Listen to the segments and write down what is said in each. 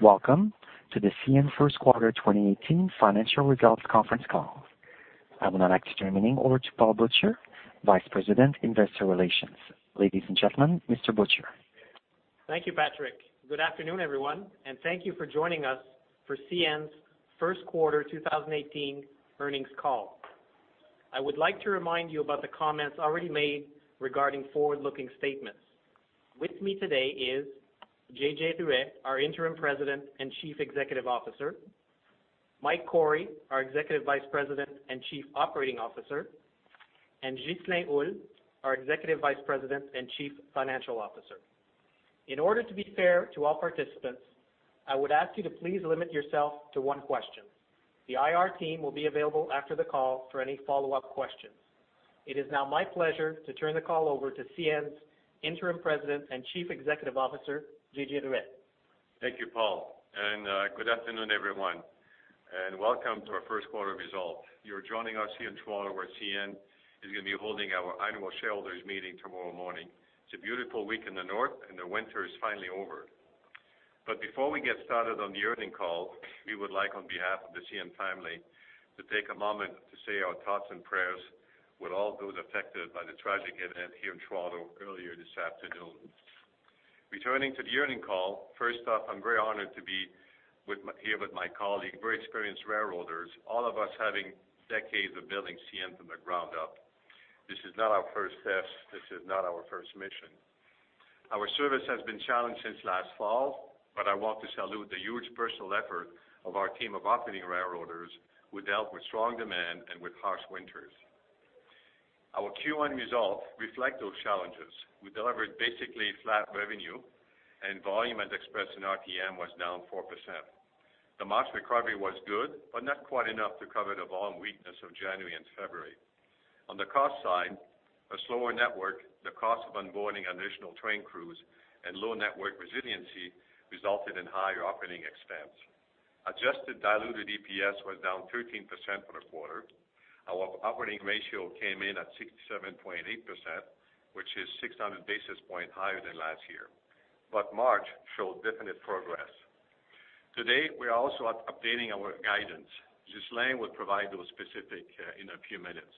Welcome to the CN first quarter 2018 financial results conference call. I will now like to turn the meeting over to Paul Butcher, Vice President, Investor Relations. Ladies and gentlemen, Mr. Butcher. Thank you, Patrick. Good afternoon, everyone, and thank you for joining us for CN's first quarter 2018 earnings call. I would like to remind you about the comments already made regarding forward-looking statements. With me today is J.J. Ruest, our Interim President and Chief Executive Officer, Mike Cory, our Executive Vice President and Chief Operating Officer, and Ghislain Houle, our Executive Vice President and Chief Financial Officer. In order to be fair to all participants, I would ask you to please limit yourself to one question. The IR team will be available after the call for any follow-up questions. It is now my pleasure to turn the call over to CN's Interim President and Chief Executive Officer, J.J. Ruest. Thank you, Paul, and good afternoon, everyone, and welcome to our first quarter results. You're joining us here in Toronto, where CN is going to be holding our annual shareholders' meeting tomorrow morning. It's a beautiful week in the north, and the winter is finally over. But before we get started on the earnings call, we would like, on behalf of the CN family, to take a moment to say our thoughts and prayers with all those affected by the tragic event here in Toronto earlier this afternoon. Returning to the earnings call, first off, I'm very honored to be here with my colleague, very experienced railroaders, all of us having decades of building CN from the ground up. This is not our first test. This is not our first mission. Our service has been challenged since last fall, but I want to salute the huge personal effort of our team of operating railroaders, who dealt with strong demand and with harsh winters. Our Q1 results reflect those challenges. We delivered basically flat revenue, and volume, as expressed in RTMs, was down 4%. The market recovery was good, but not quite enough to cover the volume weakness of January and February. On the cost side, a slower network, the cost of onboarding additional train crews, and low network resiliency resulted in higher operating expense. Adjusted diluted EPS was down 13% for the quarter. Our operating ratio came in at 67.8%, which is 600 basis points higher than last year. But March showed definite progress. Today, we are also updating our guidance. Ghislain will provide those specifics in a few minutes.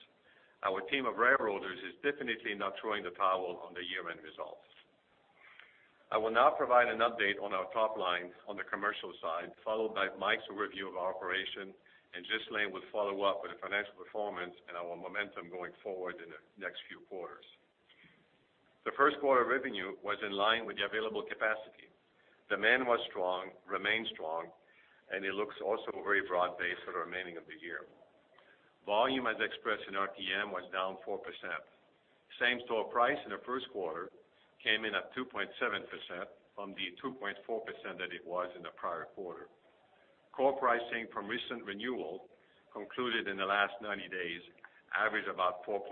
Our team of railroaders is definitely not throwing the towel on the year-end results. I will now provide an update on our top line on the commercial side, followed by Mike's overview of our operation, and Ghislain will follow up with the financial performance and our momentum going forward in the next few quarters. The first quarter revenue was in line with the available capacity. Demand was strong, remains strong, and it looks also very broad-based for the remaining of the year. Volume, as expressed in RTM, was down 4%. Same-store price in the first quarter came in at 2.7% from the 2.4% that it was in the prior quarter. Core pricing from recent renewal concluded in the last 90 days averaged about 4.8%.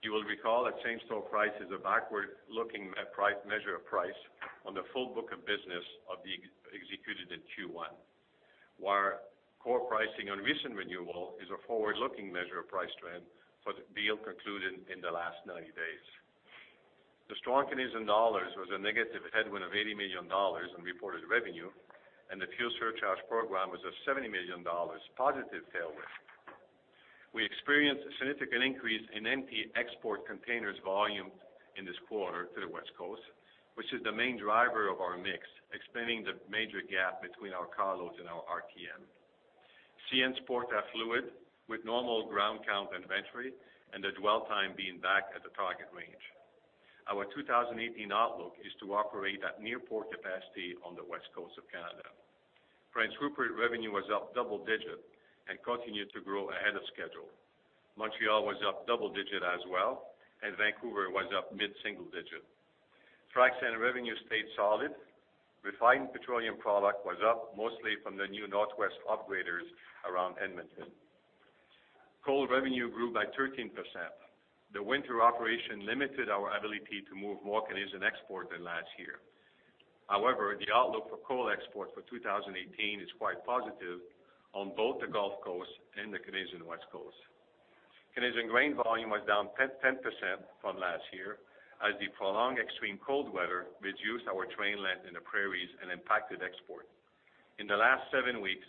You will recall that same-store price is a backward-looking measure of price on the full book of business executed in Q1, while core pricing on recent renewal is a forward-looking measure of price trend for the deal concluded in the last 90 days. The strong Canadian dollar was a negative headwind of $80 million in reported revenue, and the fuel surcharge program was a $70 million positive tailwind. We experienced a significant increase in empty export containers volume in this quarter to the West Coast, which is the main driver of our mix, explaining the major gap between our carloads and our RTM. CN's ports are fluid, with normal ground count and inventory, and the dwell time being back at the target range. Our 2018 outlook is to operate at near-port capacity on the West Coast of Canada. Prince Rupert revenue was up double-digit and continued to grow ahead of schedule. Montreal was up double-digit as well, and Vancouver was up mid-single digit. Frac sand revenue stayed solid. Refined petroleum product was up, mostly from the new Northwest upgraders around Edmonton. Coal revenue grew by 13%. The winter operation limited our ability to move more Canadian export than last year. However, the outlook for coal exports for 2018 is quite positive on both the Gulf Coast and the Canadian West Coast. Canadian grain volume was down 10% from last year as the prolonged extreme cold weather reduced our train length in the prairies and impacted export. In the last seven weeks,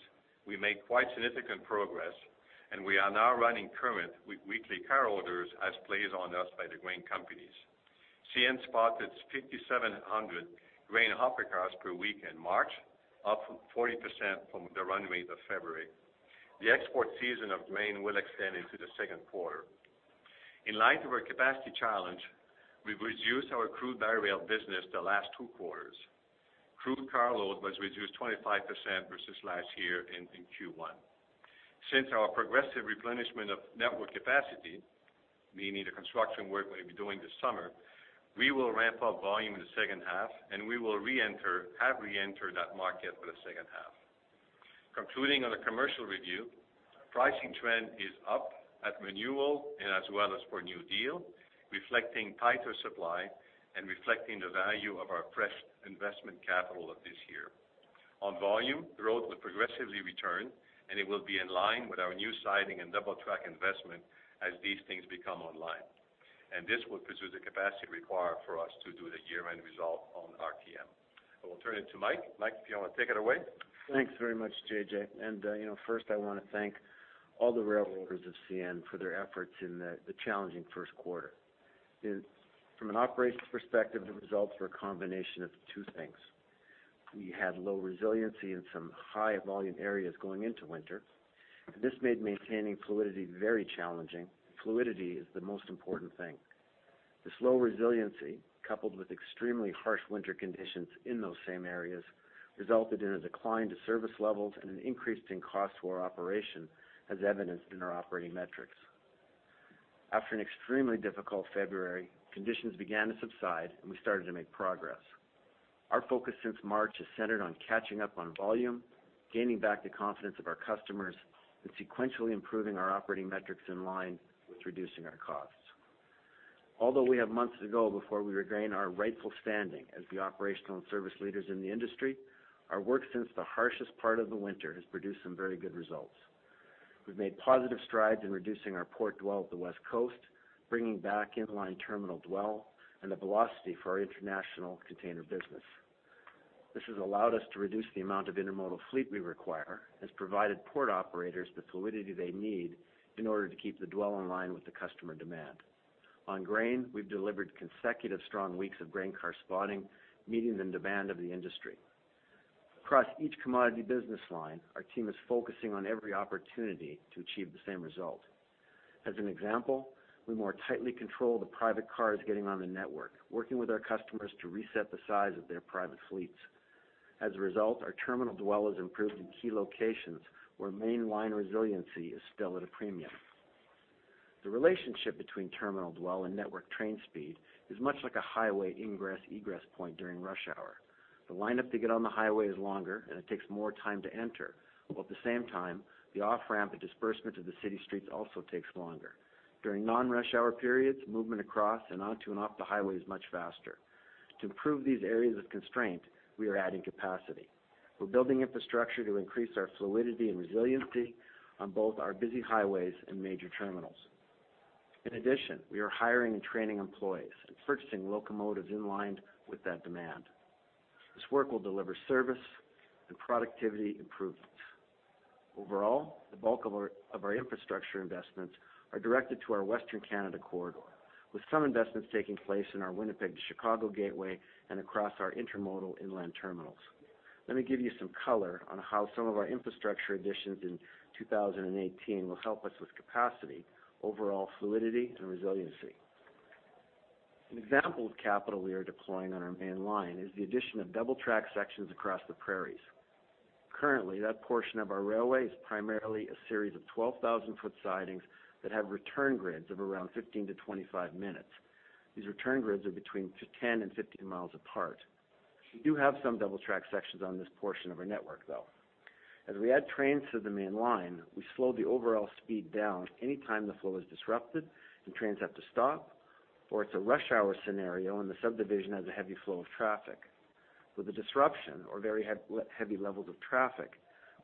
we made quite significant progress, and we are now running current weekly car orders as placed on us by the grain companies. CN spotted 5,700 grain hopper cars per week in March, up 40% from the run rate of February. The export season of grain will extend into the second quarter. In line to our capacity challenge, we've reduced our crude-by-rail business the last two quarters. Crude carload was reduced 25% versus last year in Q1. Since our progressive replenishment of network capacity, meaning the construction work we'll be doing this summer, we will ramp up volume in the second half, and we will have re-entered that market for the second half. Concluding on the commercial review, pricing trend is up at renewal and as well as for new deal, reflecting tighter supply and reflecting the value of our fresh investment capital of this year. On volume, growth will progressively return, and it will be in line with our new siding and double-track investment as these things come online. This will produce the capacity required for us to do the year-end result on RTM. I will turn it to Mike. Mike, if you want to take it away. Thanks very much, J.J. First, I want to thank all the railroaders of CN for their efforts in the challenging first quarter. From an operations perspective, the results were a combination of two things. We had low resiliency in some high-volume areas going into winter, and this made maintaining fluidity very challenging. Fluidity is the most important thing. This low resiliency, coupled with extremely harsh winter conditions in those same areas, resulted in a decline to service levels and an increase in cost for our operation, as evidenced in our operating metrics. After an extremely difficult February, conditions began to subside, and we started to make progress. Our focus since March has centered on catching up on volume, gaining back the confidence of our customers, and sequentially improving our operating metrics in line with reducing our costs. Although we have months to go before we regain our rightful standing as the operational and service leaders in the industry, our work since the harshest part of the winter has produced some very good results. We've made positive strides in reducing our port dwell at the West Coast, bringing back inline terminal dwell, and the velocity for our international container business. This has allowed us to reduce the amount of intermodal fleet we require, has provided port operators the fluidity they need in order to keep the dwell in line with the customer demand. On grain, we've delivered consecutive strong weeks of grain car spotting, meeting the demand of the industry. Across each commodity business line, our team is focusing on every opportunity to achieve the same result. As an example, we more tightly control the private cars getting on the network, working with our customers to reset the size of their private fleets. As a result, our terminal dwell has improved in key locations where mainline resiliency is still at a premium. The relationship between terminal dwell and network train speed is much like a highway ingress/egress point during rush hour. The lineup to get on the highway is longer, and it takes more time to enter, while at the same time, the off-ramp and disbursement to the city streets also takes longer. During non-rush hour periods, movement across and onto and off the highway is much faster. To improve these areas of constraint, we are adding capacity. We're building infrastructure to increase our fluidity and resiliency on both our busy highways and major terminals. In addition, we are hiring and training employees and purchasing locomotives in line with that demand. This work will deliver service and productivity improvements. Overall, the bulk of our infrastructure investments are directed to our Western Canada corridor, with some investments taking place in our Winnipeg to Chicago gateway and across our intermodal inland terminals. Let me give you some color on how some of our infrastructure additions in 2018 will help us with capacity, overall fluidity, and resiliency. An example of capital we are deploying on our main line is the addition of double-track sections across the Prairies. Currently, that portion of our railway is primarily a series of 12,000 ft sidings that have return grids of around 15-25 minutes. These return grids are between 10-15 miles apart. We do have some double-track sections on this portion of our network, though. As we add trains to the main line, we slow the overall speed down anytime the flow is disrupted and trains have to stop, or it's a rush hour scenario and the subdivision has a heavy flow of traffic. With a disruption or very heavy levels of traffic,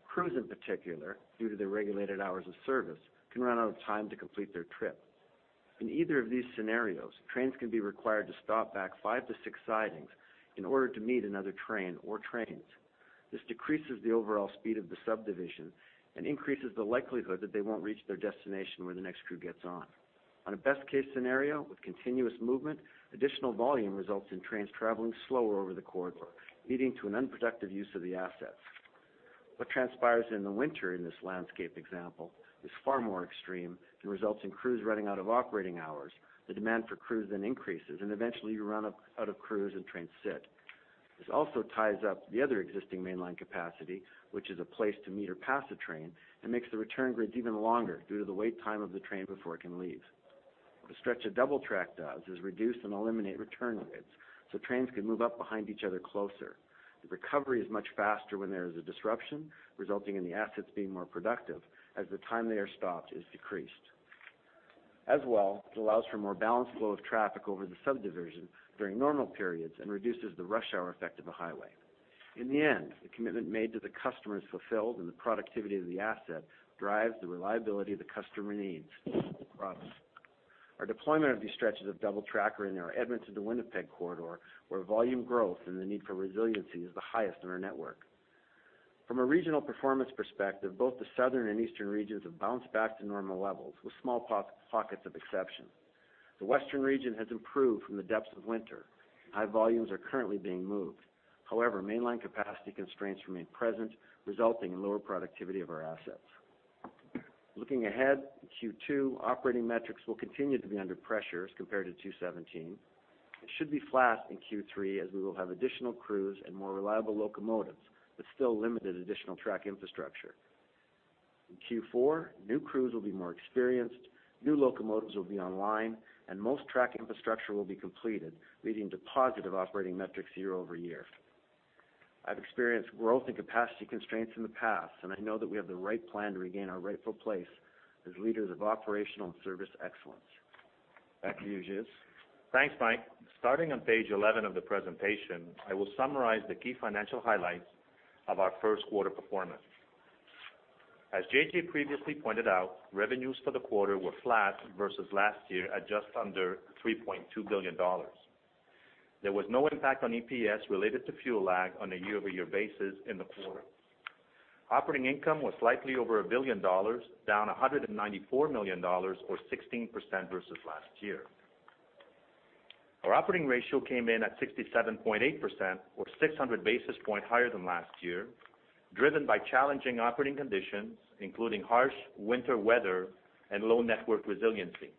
crews in particular, due to the regulated hours of service, can run out of time to complete their trip. In either of these scenarios, trains can be required to stop back 5-6 sidings in order to meet another train or trains. This decreases the overall speed of the subdivision and increases the likelihood that they won't reach their destination where the next crew gets on. On a best-case scenario, with continuous movement, additional volume results in trains traveling slower over the corridor, leading to an unproductive use of the assets. What transpires in the winter in this landscape example is far more extreme and results in crews running out of operating hours. The demand for crews then increases, and eventually, you run out of crews and trains sit. This also ties up the other existing mainline capacity, which is a place to meet or pass a train, and makes the return grids even longer due to the wait time of the train before it can leave. What a stretch a double-track does is reduce and eliminate return grids so trains can move up behind each other closer. The recovery is much faster when there is a disruption, resulting in the assets being more productive as the time they are stopped is decreased. As well, it allows for more balanced flow of traffic over the subdivision during normal periods and reduces the rush hour effect of the highway. In the end, the commitment made to the customers fulfilled, and the productivity of the asset drives the reliability the customer needs. Our deployment of these stretches of double-track are in our Edmonton to Winnipeg corridor, where volume growth and the need for resiliency is the highest in our network. From a regional performance perspective, both the southern and eastern regions have bounced back to normal levels, with small pockets of exception. The western region has improved from the depths of winter. High volumes are currently being moved. However, mainline capacity constraints remain present, resulting in lower productivity of our assets. Looking ahead in Q2, operating metrics will continue to be under pressure as compared to Q1 2017. It should be flat in Q3 as we will have additional crews and more reliable locomotives, but still limited additional track infrastructure. In Q4, new crews will be more experienced, new locomotives will be online, and most track infrastructure will be completed, leading to positive operating metrics year-over-year. I've experienced growth and capacity constraints in the past, and I know that we have the right plan to regain our rightful place as leaders of operational and service excellence. Back to you, Ghislain. Thanks, Mike. Starting on page 11 of the presentation, I will summarize the key financial highlights of our first quarter performance. As J.J. previously pointed out, revenues for the quarter were flat versus last year at just under $3.2 billion. There was no impact on EPS related to fuel lag on a year-over-year basis in the quarter. Operating income was slightly over $1 billion, down $194 million, or 16% versus last year. Our operating ratio came in at 67.8%, or 600 basis points higher than last year, driven by challenging operating conditions, including harsh winter weather and low network resiliency.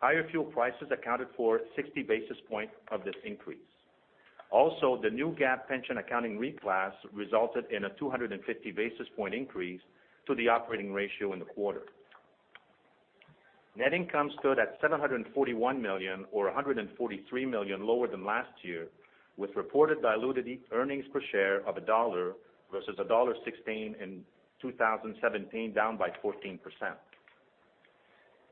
Higher fuel prices accounted for 60 basis points of this increase. Also, the new GAAP pension accounting reclass resulted in a 250 basis point increase to the operating ratio in the quarter. Net income stood at $741 million, or $143 million, lower than last year, with reported diluted earnings per share of $1 versus $1.16 in 2017, down by 14%.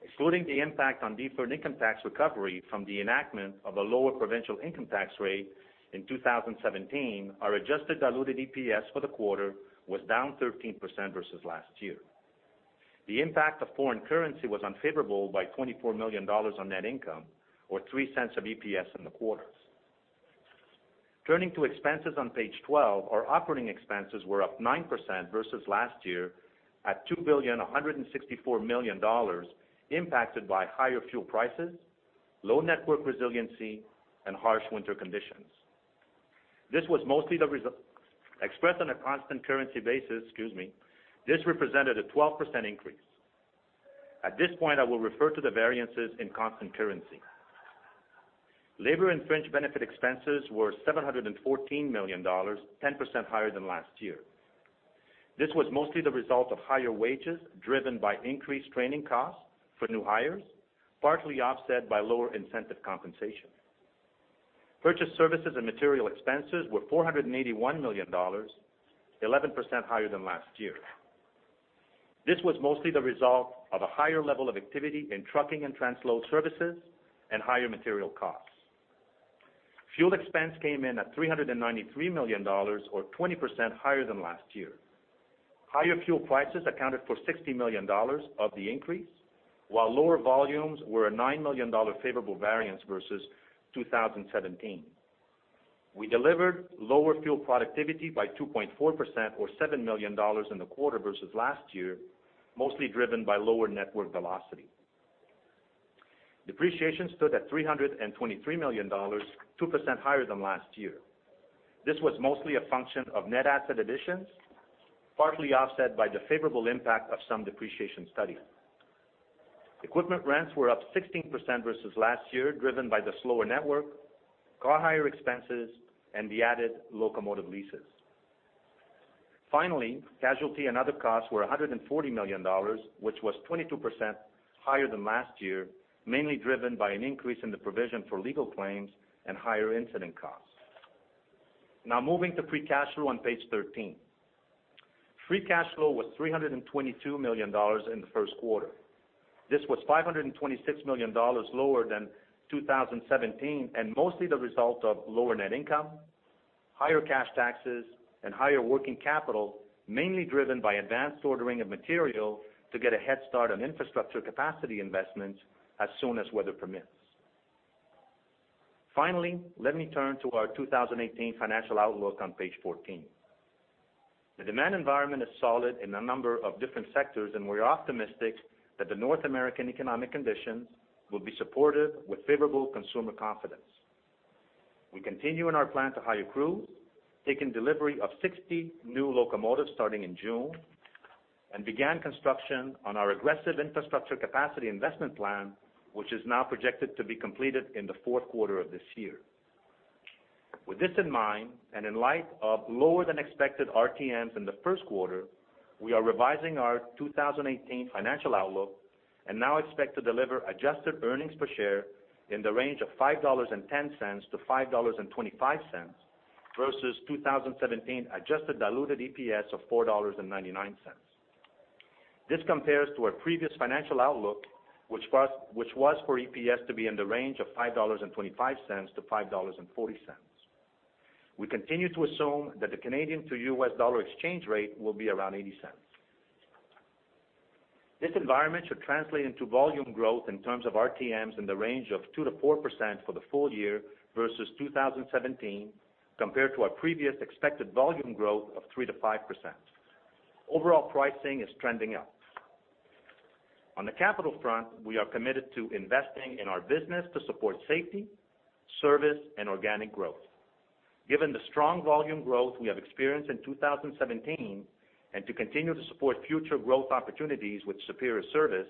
Excluding the impact on deferred income tax recovery from the enactment of a lower provincial income tax rate in 2017, our adjusted diluted EPS for the quarter was down 13% versus last year. The impact of foreign currency was unfavorable by $24 million on net income, or $0.03 of EPS in the quarter. Turning to expenses on page 12, our operating expenses were up 9% versus last year at $2,164 million, impacted by higher fuel prices, low network resiliency, and harsh winter conditions. This was mostly expressed on a constant currency basis. Excuse me. This represented a 12% increase. At this point, I will refer to the variances in constant currency. Labor and fringe benefit expenses were $714 million, 10% higher than last year. This was mostly the result of higher wages driven by increased training costs for new hires, partly offset by lower incentive compensation. Purchase services and material expenses were $481 million, 11% higher than last year. This was mostly the result of a higher level of activity in trucking and transload services and higher material costs. Fuel expense came in at $393 million, or 20% higher than last year. Higher fuel prices accounted for $60 million of the increase, while lower volumes were a $9 million favorable variance versus 2017. We delivered lower fuel productivity by 2.4%, or $7 million in the quarter versus last year, mostly driven by lower network velocity. Depreciation stood at $323 million, 2% higher than last year. This was mostly a function of net asset additions, partly offset by the favorable impact of some depreciation study. Equipment rents were up 16% versus last year, driven by the slower network, car hire expenses, and the added locomotive leases. Finally, casualty and other costs were $140 million, which was 22% higher than last year, mainly driven by an increase in the provision for legal claims and higher incident costs. Now moving to free cash flow on page 13. Free cash flow was $322 million in the first quarter. This was $526 million lower than 2017 and mostly the result of lower net income, higher cash taxes, and higher working capital, mainly driven by advanced ordering of material to get a head start on infrastructure capacity investments as soon as weather permits. Finally, let me turn to our 2018 financial outlook on page 14. The demand environment is solid in a number of different sectors, and we are optimistic that the North American economic conditions will be supportive with favorable consumer confidence. We continue in our plan to hire crews, take in delivery of 60 new locomotives starting in June, and began construction on our aggressive infrastructure capacity investment plan, which is now projected to be completed in the fourth quarter of this year. With this in mind, and in light of lower than expected RTMs in the first quarter, we are revising our 2018 financial outlook and now expect to deliver adjusted earnings per share in the range of $5.10-$5.25 versus 2017 adjusted diluted EPS of $4.99. This compares to our previous financial outlook, which was for EPS to be in the range of $5.25-$5.40. We continue to assume that the Canadian to U.S. dollar exchange rate will be around $0.80. This environment should translate into volume growth in terms of RTMs in the range of 2%-4% for the full year versus 2017, compared to our previous expected volume growth of 3%-5%. Overall pricing is trending up. On the capital front, we are committed to investing in our business to support safety, service, and organic growth. Given the strong volume growth we have experienced in 2017 and to continue to support future growth opportunities with superior service,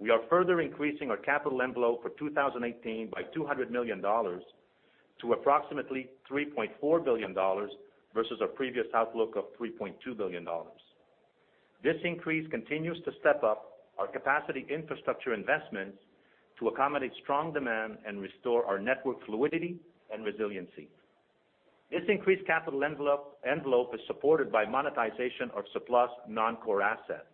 we are further increasing our capital envelope for 2018 by $200 million to approximately $3.4 billion versus our previous outlook of $3.2 billion. This increase continues to step up our capacity infrastructure investments to accommodate strong demand and restore our network fluidity and resiliency. This increased capital envelope is supported by monetization of surplus non-core assets.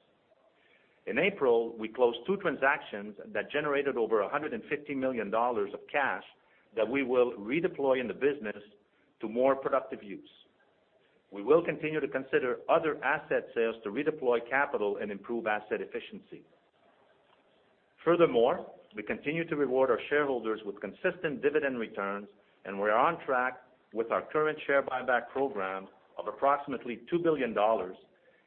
In April, we closed two transactions that generated over $150 million of cash that we will redeploy in the business to more productive use. We will continue to consider other asset sales to redeploy capital and improve asset efficiency. Furthermore, we continue to reward our shareholders with consistent dividend returns, and we are on track with our current share buyback program of approximately $2 billion,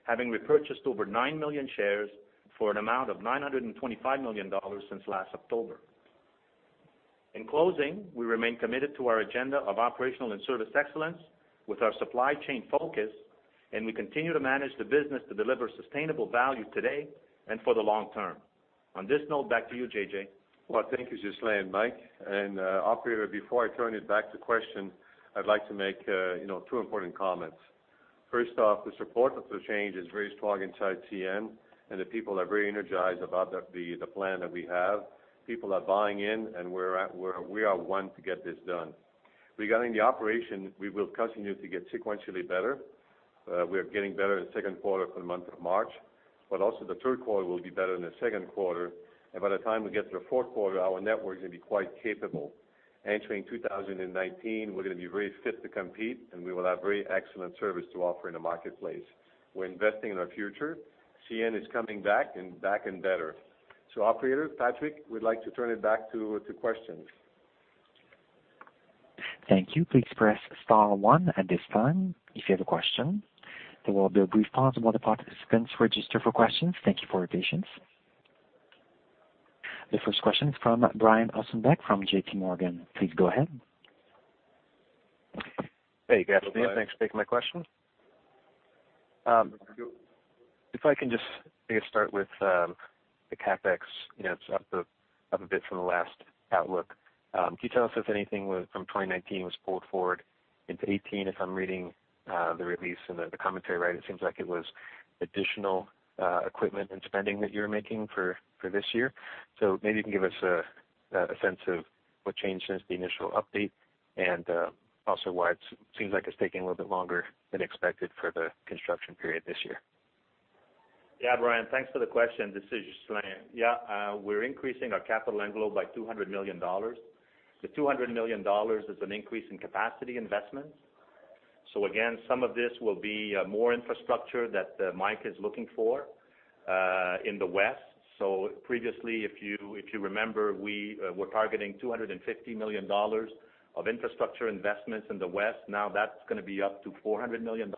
having repurchased over nine million shares for an amount of $925 million since last October. In closing, we remain committed to our agenda of operational and service excellence with our supply chain focus, and we continue to manage the business to deliver sustainable value today and for the long term. On this note, back to you, J.J. Well, thank you, Ghislain, Mike. Operator, before I turn it back to questions, I'd like to make two important comments. First off, the support of the change is very strong inside CN, and the people are very energized about the plan that we have. People are buying in, and we are one to get this done. Regarding the operation, we will continue to get sequentially better. We are getting better in the second quarter for the month of March, but also the third quarter will be better in the second quarter. And by the time we get to the fourth quarter, our network is going to be quite capable. Entering 2019, we're going to be very fit to compete, and we will have very excellent service to offer in the marketplace. We're investing in our future. CN is coming back and back and better. Operator, Patrick, we'd like to turn it back to questions. Thank you. Please press star one at this time if you have a question. There will be a brief pause while the participants register for questions. Thank you for your patience. The first question is from Brian Ossenbeck from JPMorgan. Please go ahead. Hey, good afternoon. Thanks for taking my question. If I can just, I guess, start with the CapEx. It's up a bit from the last outlook. Can you tell us if anything from 2019 was pulled forward into 2018? If I'm reading the release and the commentary, right, it seems like it was additional equipment and spending that you were making for this year. So maybe you can give us a sense of what changed since the initial update and also why it seems like it's taking a little bit longer than expected for the construction period this year. Yeah, Brian, thanks for the question. This is Ghislain. Yeah, we're increasing our capital envelope by $200 million. The $200 million is an increase in capacity investments. So again, some of this will be more infrastructure that Mike is looking for in the west. So previously, if you remember, we were targeting $250 million of infrastructure investments in the west. Now that's going to be up to $400 million.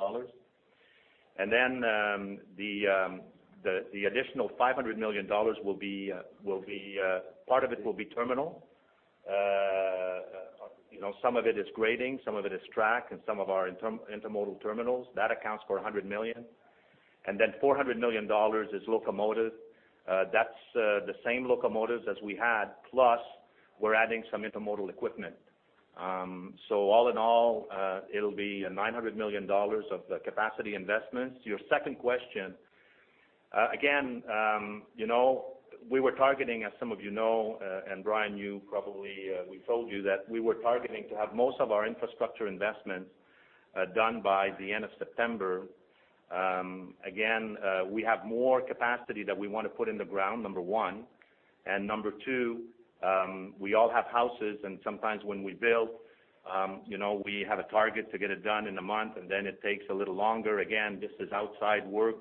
And then the additional $500 million will be part of it will be terminal. Some of it is grading, some of it is track, and some of our intermodal terminals. That accounts for $100 million. And then $400 million is locomotives. That's the same locomotives as we had, plus we're adding some intermodal equipment. So all in all, it'll be $900 million of capacity investments. Your second question, again, we were targeting, as some of you know, and Brian, you probably we told you that we were targeting to have most of our infrastructure investments done by the end of September. Again, we have more capacity that we want to put in the ground, number one. And number two, we all have houses, and sometimes when we build, we have a target to get it done in a month, and then it takes a little longer. Again, this is outside work.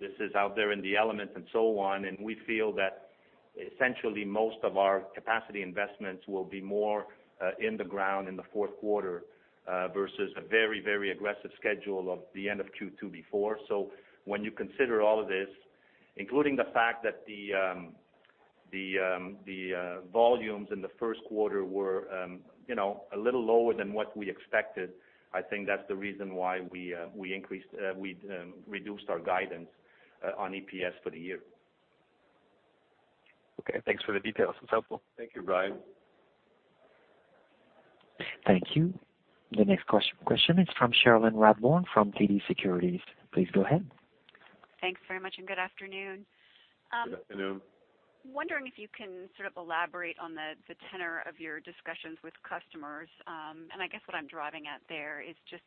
This is out there in the elements and so on. And we feel that essentially most of our capacity investments will be more in the ground in the fourth quarter versus a very, very aggressive schedule of the end of Q2 before. When you consider all of this, including the fact that the volumes in the first quarter were a little lower than what we expected, I think that's the reason why we reduced our guidance on EPS for the year. Okay. Thanks for the details. It's helpful. Thank you, Brian. Thank you. The next question is from Cherilyn Radbourne from TD Securities. Please go ahead. Thanks very much and good afternoon. Good afternoon. Wondering if you can sort of elaborate on the tenor of your discussions with customers? I guess what I'm driving at there is just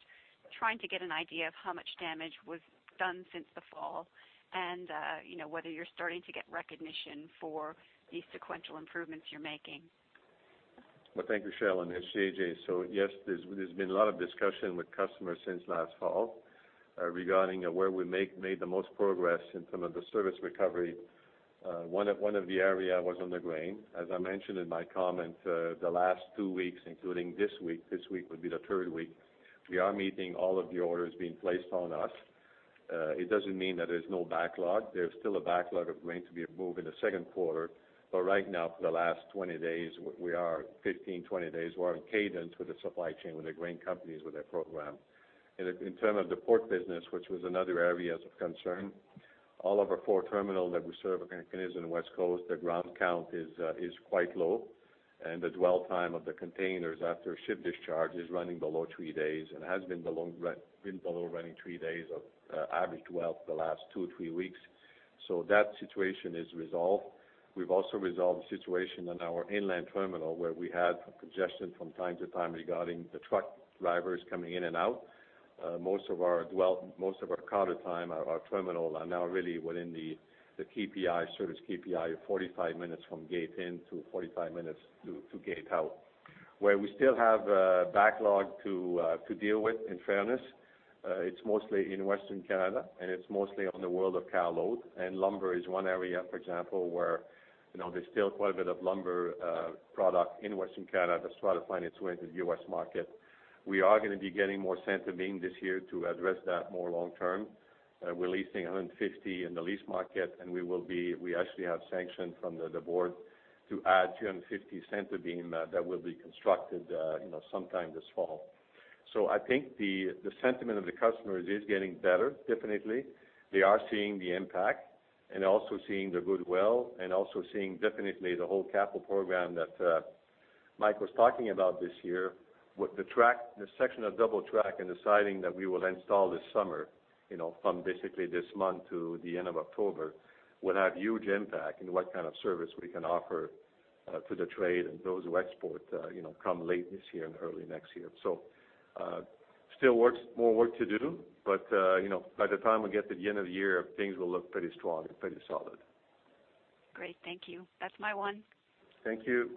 trying to get an idea of how much damage was done since the fall and whether you're starting to get recognition for these sequential improvements you're making. Well, thank you, Cherilyn, it's J.J. So yes, there's been a lot of discussion with customers since last fall regarding where we made the most progress in terms of the service recovery. One of the areas was on the grain. As I mentioned in my comment, the last two weeks, including this week, this week would be the third week, we are meeting all of the orders being placed on us. It doesn't mean that there's no backlog. There's still a backlog of grain to be removed in the second quarter. But right now, for the last 20 days, we are 15, 20 days we're on cadence with the supply chain with the grain companies with their program. In terms of the port business, which was another area of concern, all of our four terminals that we serve are in the Canadian and West Coast. The ground count is quite low, and the dwell time of the containers after ship discharge is running below 3 days and has been below running 3 days of average dwell for the last 2 or 3 weeks. So that situation is resolved. We've also resolved the situation on our inland terminal where we had congestion from time to time regarding the truck drivers coming in and out. Most of our gate time, our terminals, are now really within the service KPI of 45 minutes from gate in to 45 minutes to gate out. Where we still have backlog to deal with, in fairness, it's mostly in Western Canada, and it's mostly on the world of carload. And lumber is one area, for example, where there's still quite a bit of lumber product in Western Canada that's trying to find its way into the U.S. market. We are going to be getting more centerbeams this year to address that more long term. We're leasing 150 in the lease market, and we actually have sanctioned from the board to add 250 centerbeams that will be constructed sometime this fall. So I think the sentiment of the customers is getting better, definitely. They are seeing the impact and also seeing the goodwill and also seeing definitely the whole capital program that Mike was talking about this year. The section of double-track and deciding that we will install this summer from basically this month to the end of October will have huge impact in what kind of service we can offer to the trade and those who export come late this year and early next year. Still more work to do, but by the time we get to the end of the year, things will look pretty strong and pretty solid. Great. Thank you. That's my one. Thank you.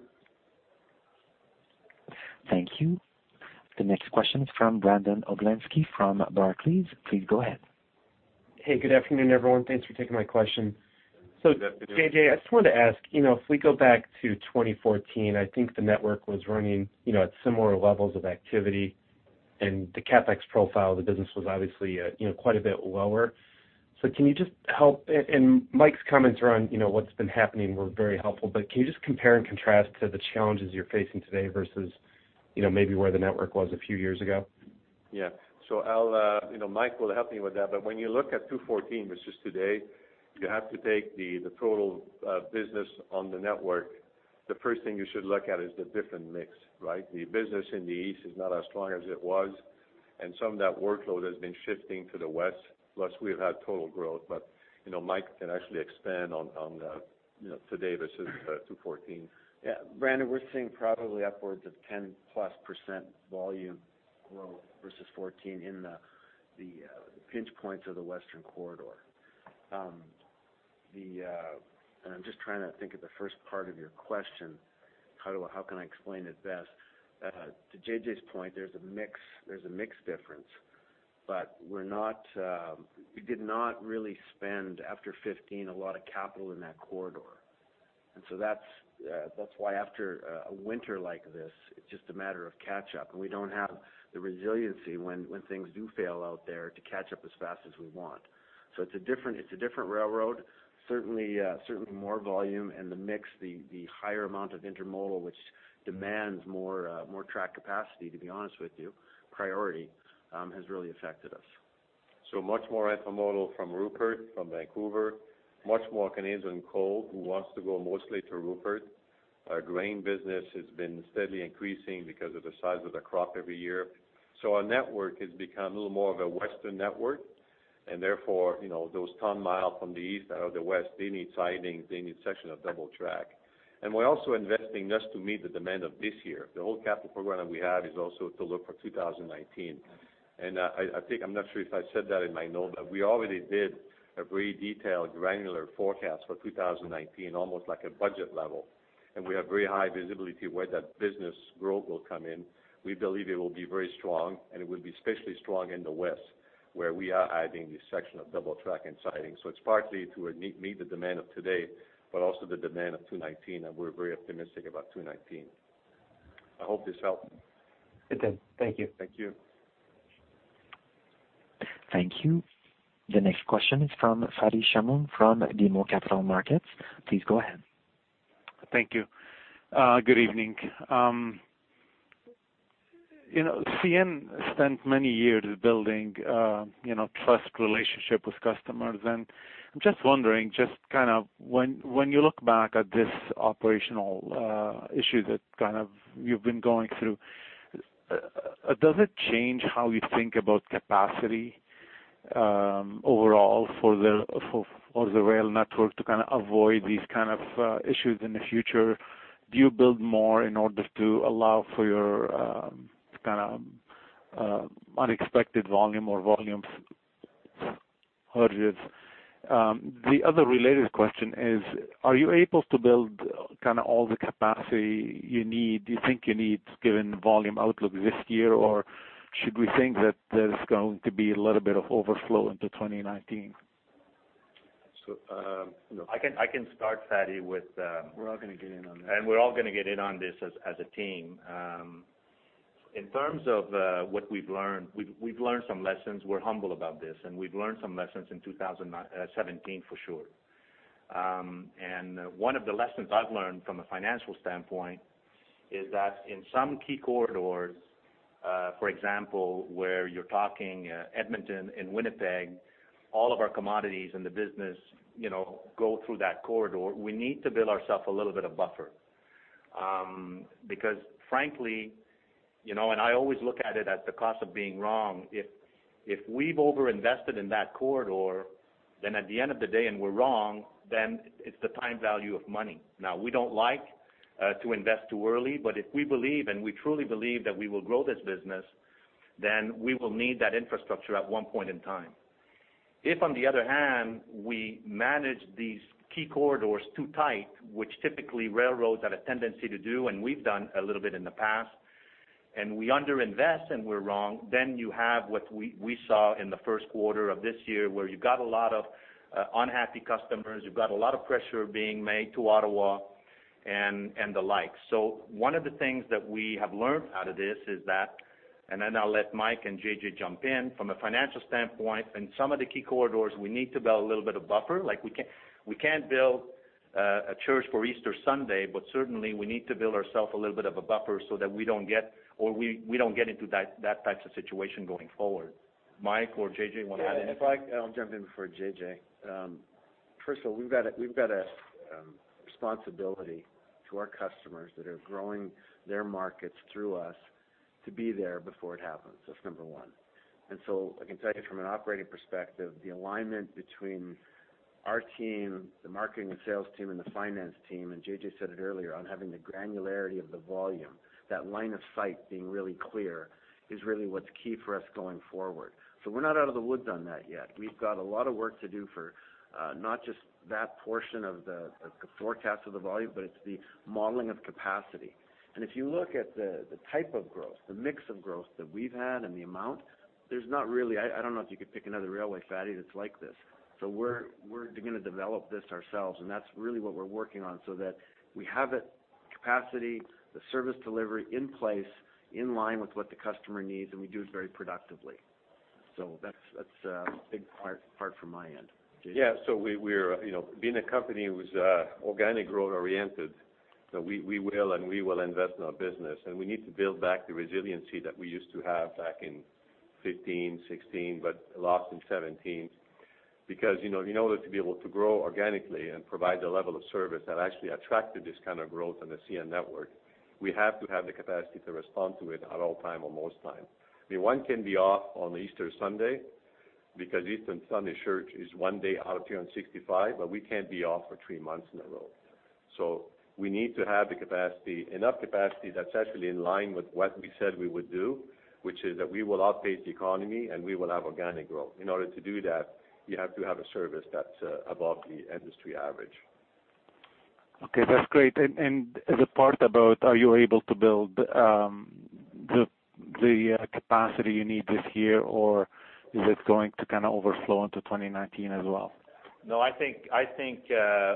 Thank you. The next question is from Brandon Oglenski from Barclays. Please go ahead. Hey, good afternoon, everyone. Thanks for taking my question. So J.J., I just wanted to ask, if we go back to 2014, I think the network was running at similar levels of activity, and the CapEx profile of the business was obviously quite a bit lower. So can you just help? And Mike's comments around what's been happening were very helpful, but can you just compare and contrast to the challenges you're facing today versus maybe where the network was a few years ago? Yeah. So Mike, we'll help you with that. But when you look at 2014, which is today, you have to take the total business on the network. The first thing you should look at is the different mix, right? The business in the east is not as strong as it was, and some of that workload has been shifting to the west, plus we've had total growth. But Mike can actually expand on today versus 2014. Yeah. Brandon, we're seeing probably upwards of 10%+ volume growth versus 2014 in the pinch points of the western corridor. And I'm just trying to think of the first part of your question, how can I explain it best? To J.J.'s point, there's a mix difference, but we did not really spend, after 2015, a lot of capital in that corridor. And so that's why after a winter like this, it's just a matter of catch-up. And we don't have the resiliency when things do fail out there to catch up as fast as we want. So it's a different railroad. Certainly more volume and the mix, the higher amount of intermodal, which demands more track capacity, to be honest with you, priority has really affected us. So much more intermodal from Prince Rupert, from Vancouver, much more Canadian coal who wants to go mostly to Prince Rupert. Grain business has been steadily increasing because of the size of the crop every year. So our network has become a little more of a western network, and therefore those ton-miles from the east out of the west, they need sidings, they need sections of double-track. We're also investing just to meet the demand of this year. The whole capital program that we have is also to look for 2019. I think I'm not sure if I said that in my note, but we already did a very detailed granular forecast for 2019, almost like a budget level. We have very high visibility where that business growth will come in. We believe it will be very strong, and it will be especially strong in the west where we are adding this section of double track and siding. So it's partly to meet the demand of today, but also the demand of 2019, and we're very optimistic about 2019. I hope this helped. It did. Thank you. Thank you. Thank you. The next question is from Fadi Shamoun from BMO Capital Markets. Please go ahead. Thank you. Good evening. CN spent many years building trust relationships with customers. I'm just wondering, just kind of when you look back at this operational issue that kind of you've been going through, does it change how you think about capacity overall for the rail network to kind of avoid these kind of issues in the future? Do you build more in order to allow for your kind of unexpected volume or volume surges? The other related question is, are you able to build kind of all the capacity you think you need given volume outlook this year, or should we think that there's going to be a little bit of overflow into 2019? I can start, Fadi, with. We're all going to get in on this. We're all going to get in on this as a team. In terms of what we've learned, we've learned some lessons. We're humble about this, and we've learned some lessons in 2017 for sure. One of the lessons I've learned from a financial standpoint is that in some key corridors, for example, where you're talking Edmonton and Winnipeg, all of our commodities and the business go through that corridor, we need to build ourselves a little bit of buffer. Because frankly, and I always look at it as the cost of being wrong, if we've overinvested in that corridor, then at the end of the day, and we're wrong, then it's the time value of money. Now, we don't like to invest too early, but if we believe, and we truly believe that we will grow this business, then we will need that infrastructure at one point in time. If on the other hand, we manage these key corridors too tight, which typically railroads have a tendency to do, and we've done a little bit in the past, and we underinvest and we're wrong, then you have what we saw in the first quarter of this year where you've got a lot of unhappy customers, you've got a lot of pressure being made to Ottawa and the like. So one of the things that we have learned out of this is that, and then I'll let Mike and J.J. jump in, from a financial standpoint, in some of the key corridors, we need to build a little bit of buffer. We can't build a church for Easter Sunday, but certainly we need to build ourselves a little bit of a buffer so that we don't get or we don't get into that type of situation going forward. Mike or J.J., you want to add anything? If I can jump in before J.J., first of all, we've got a responsibility to our customers that are growing their markets through us to be there before it happens. That's number one. And so I can tell you from an operating perspective, the alignment between our team, the marketing and sales team, and the finance team, and J.J. said it earlier, on having the granularity of the volume, that line of sight being really clear is really what's key for us going forward. So we're not out of the woods on that yet. We've got a lot of work to do for not just that portion of the forecast of the volume, but it's the modeling of capacity. If you look at the type of growth, the mix of growth that we've had and the amount, there's not really. I don't know if you could pick another railway, Fadi, that's like this. So we're going to develop this ourselves, and that's really what we're working on so that we have the capacity, the service delivery in place in line with what the customer needs, and we do it very productively. So that's a big part from my end. Yeah. So being a company who's organic growth oriented, we will and we will invest in our business. We need to build back the resiliency that we used to have back in 2015, 2016, but lost in 2017. Because in order to be able to grow organically and provide the level of service that actually attracted this kind of growth in the CN network, we have to have the capacity to respond to it at all time or most time. I mean, one can be off on Easter Sunday because Easter Sunday church is one day out of 365, but we can't be off for three months in a row. So we need to have enough capacity that's actually in line with what we said we would do, which is that we will outpace the economy and we will have organic growth. In order to do that, you have to have a service that's above the industry average. Okay. That's great. And the part about are you able to build the capacity you need this year, or is it going to kind of overflow into 2019 as well? No, I think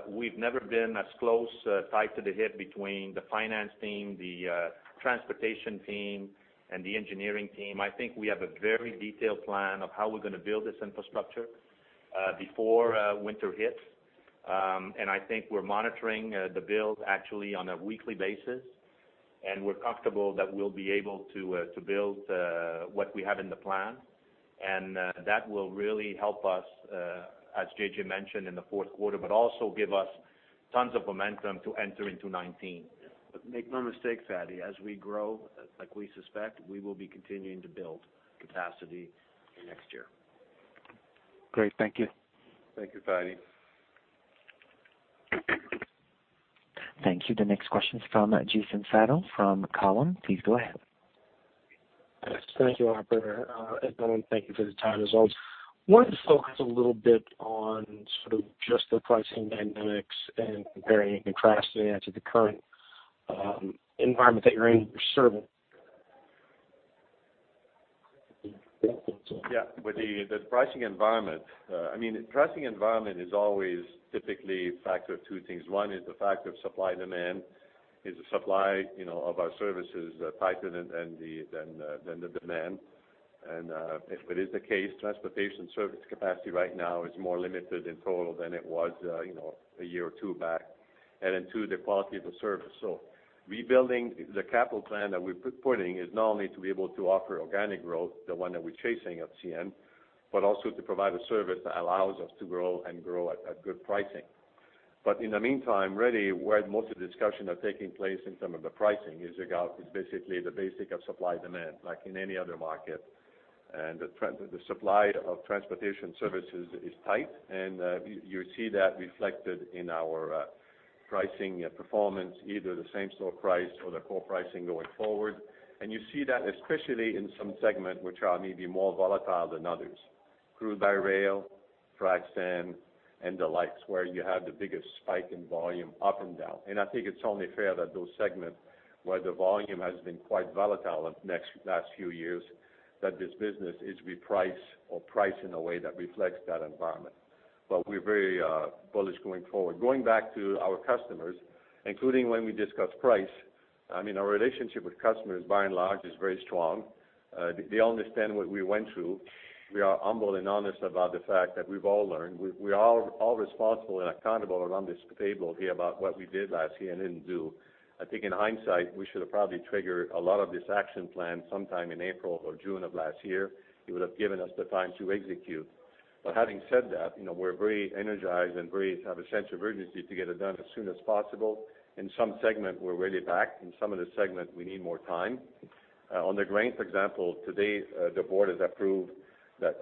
we've never been as close, tight to the hip between the finance team, the transportation team, and the engineering team. I think we have a very detailed plan of how we're going to build this infrastructure before winter hits. I think we're monitoring the build actually on a weekly basis, and we're comfortable that we'll be able to build what we have in the plan. That will really help us, as J.J. mentioned, in the fourth quarter, but also give us tons of momentum to enter into 2019. But make no mistake, Fadi, as we grow, like we suspect, we will be continuing to build capacity next year. Great. Thank you. Thank you, Fadi. Thank you. The next question is from Jason Seidl from Cowen. Please go ahead. Thank you, Albert. Thank you for the time as well. I wanted to focus a little bit on sort of just the pricing dynamics and comparing and contrasting that to the current environment that you're in serving. Yeah. With the pricing environment, I mean, the pricing environment is always typically a factor of two things. One is the factor of supply and demand. Is the supply of our services tighter than the demand? If it is the case, transportation service capacity right now is more limited in total than it was a year or two back. Then two, the quality of the service. So rebuilding the capital plan that we're putting is not only to be able to offer organic growth, the one that we're chasing at CN, but also to provide a service that allows us to grow and grow at good pricing. But in the meantime, really, where most of the discussion is taking place in terms of the pricing is basically the basics of supply and demand, like in any other market. The supply of transportation services is tight, and you see that reflected in our pricing performance, either the same-store price or the core pricing going forward. And you see that especially in some segments which are maybe more volatile than others, crude-by-rail, frac sand, and the likes, where you have the biggest spike in volume up and down. And I think it's only fair that those segments where the volume has been quite volatile in the last few years, that this business is repriced or priced in a way that reflects that environment. But we're very bullish going forward. Going back to our customers, including when we discuss price, I mean, our relationship with customers, by and large, is very strong. They understand what we went through. We are humble and honest about the fact that we've all learned. We're all responsible and accountable around this table here about what we did last year and didn't do. I think in hindsight, we should have probably triggered a lot of this action plan sometime in April or June of last year. It would have given us the time to execute. But having said that, we're very energized and have a sense of urgency to get it done as soon as possible. In some segment, we're really back. In some of the segments, we need more time. On the grain, for example, today, the board has approved that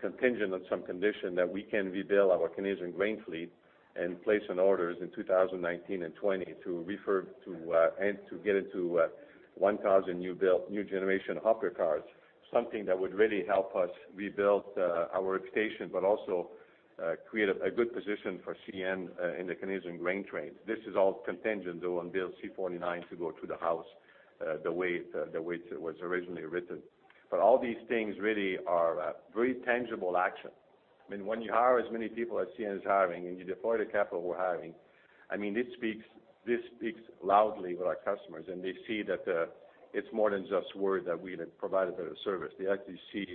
contingent on some condition that we can rebuild our Canadian grain fleet and place orders in 2019 and 2020 to get 1,000 new-generation hopper cars, something that would really help us rebuild our reputation, but also create a good position for CN in the Canadian grain trade. This is all contingent on Bill C-49 to go to the house the way it was originally written. But all these things really are very tangible action. I mean, when you hire as many people as CN is hiring and you deploy the capital we're hiring, I mean, this speaks loudly with our customers, and they see that it's more than just word that we provide a better service. They actually see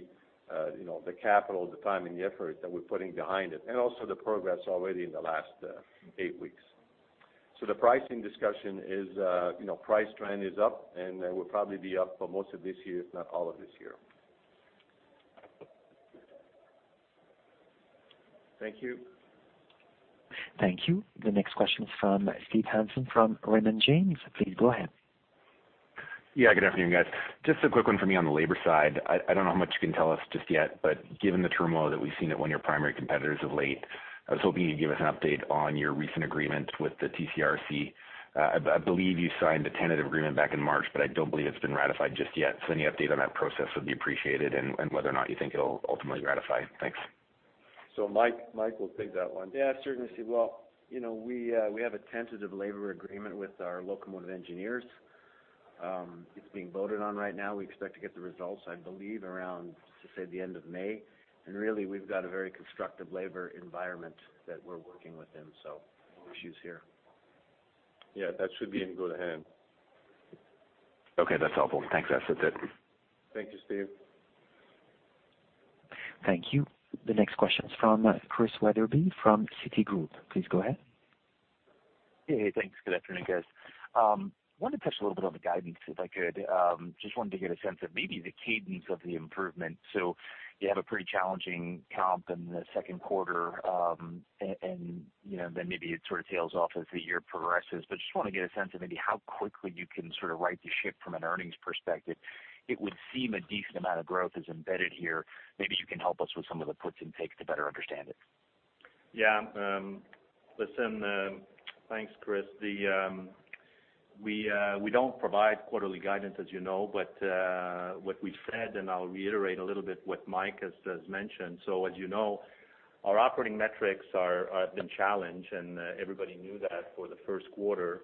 the capital, the time, and the effort that we're putting behind it, and also the progress already in the last eight weeks. So the pricing discussion is price trend is up, and we'll probably be up for most of this year, if not all of this year. Thank you. Thank you. The next question is from Steve Hansen from Raymond James. Please go ahead. Yeah. Good afternoon, guys. Just a quick one for me on the labor side. I don't know how much you can tell us just yet, but given the turmoil that we've seen at one of your primary competitors of late, I was hoping you'd give us an update on your recent agreement with the TCRC. I believe you signed a tentative agreement back in March, but I don't believe it's been ratified just yet. So any update on that process would be appreciated and whether or not you think it'll ultimately ratify. Thanks. Mike will take that one. Yeah, certainly. Well, we have a tentative labor agreement with our locomotive engineers. It's being voted on right now. We expect to get the results, I believe, around, let's just say, the end of May. And really, we've got a very constructive labor environment that we're working with them, so no issues here. Yeah. That should be in good hands. Okay. That's helpful. Thanks. That's it. Thank you, Steve. Thank you. The next question is from Chris Wetherbee from Citigroup. Please go ahead. Hey, hey. Thanks. Good afternoon, guys. I wanted to touch a little bit on the guidance, if I could. Just wanted to get a sense of maybe the cadence of the improvement. So you have a pretty challenging comp in the second quarter, and then maybe it sort of tails off as the year progresses. But just want to get a sense of maybe how quickly you can sort of right the ship from an earnings perspective. It would seem a decent amount of growth is embedded here. Maybe you can help us with some of the puts and takes to better understand it. Yeah. Listen, thanks, Chris. We don't provide quarterly guidance, as you know, but what we've said, and I'll reiterate a little bit what Mike has mentioned. So as you know, our operating metrics have been challenged, and everybody knew that for the first quarter.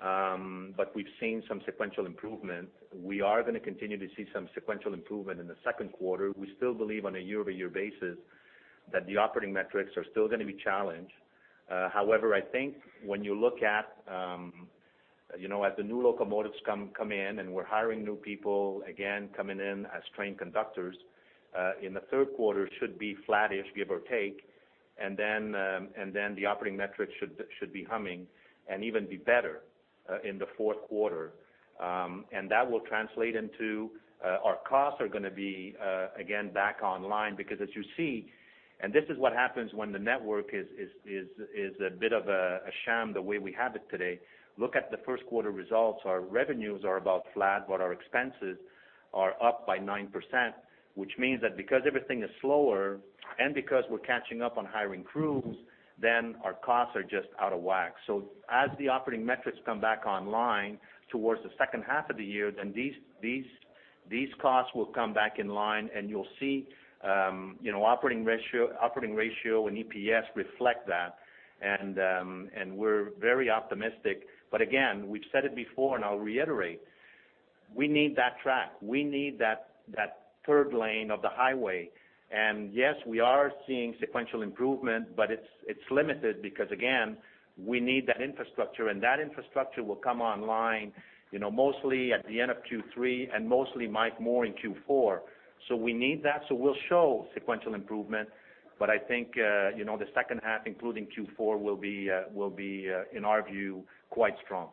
But we've seen some sequential improvement. We are going to continue to see some sequential improvement in the second quarter. We still believe on a year-over-year basis that the operating metrics are still going to be challenged. However, I think when you look at as the new locomotives come in and we're hiring new people again coming in as train conductors, in the third quarter should be flattish, give or take, and then the operating metrics should be humming and even be better in the fourth quarter. And that will translate into our costs are going to be again back online. Because as you see, and this is what happens when the network is a bit of a sham the way we have it today. Look at the first quarter results. Our revenues are about flat, but our expenses are up by 9%, which means that because everything is slower and because we're catching up on hiring crews, then our costs are just out of whack. So as the operating metrics come back online towards the second half of the year, then these costs will come back in line, and you'll see operating ratio and EPS reflect that. And we're very optimistic. But again, we've said it before, and I'll reiterate, we need that track. We need that third lane of the highway. And yes, we are seeing sequential improvement, but it's limited because, again, we need that infrastructure. That infrastructure will come online mostly at the end of Q3 and mostly in Q4. We need that. We'll show sequential improvement, but I think the second half, including Q4, will be, in our view, quite strong.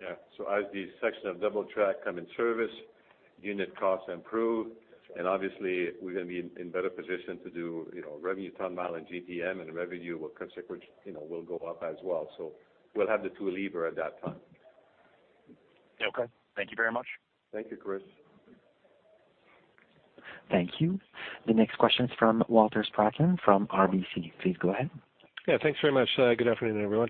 Yeah. So as the sections of double-track come in service, unit costs improve, and obviously, we're going to be in better position to do revenue ton-mile and GTM, and revenue will go up as well. So we'll have the two levers at that time. Okay. Thank you very much. Thank you, Chris. Thank you. The next question is from Walter Spracklin from RBC. Please go ahead. Yeah. Thanks very much. Good afternoon, everyone.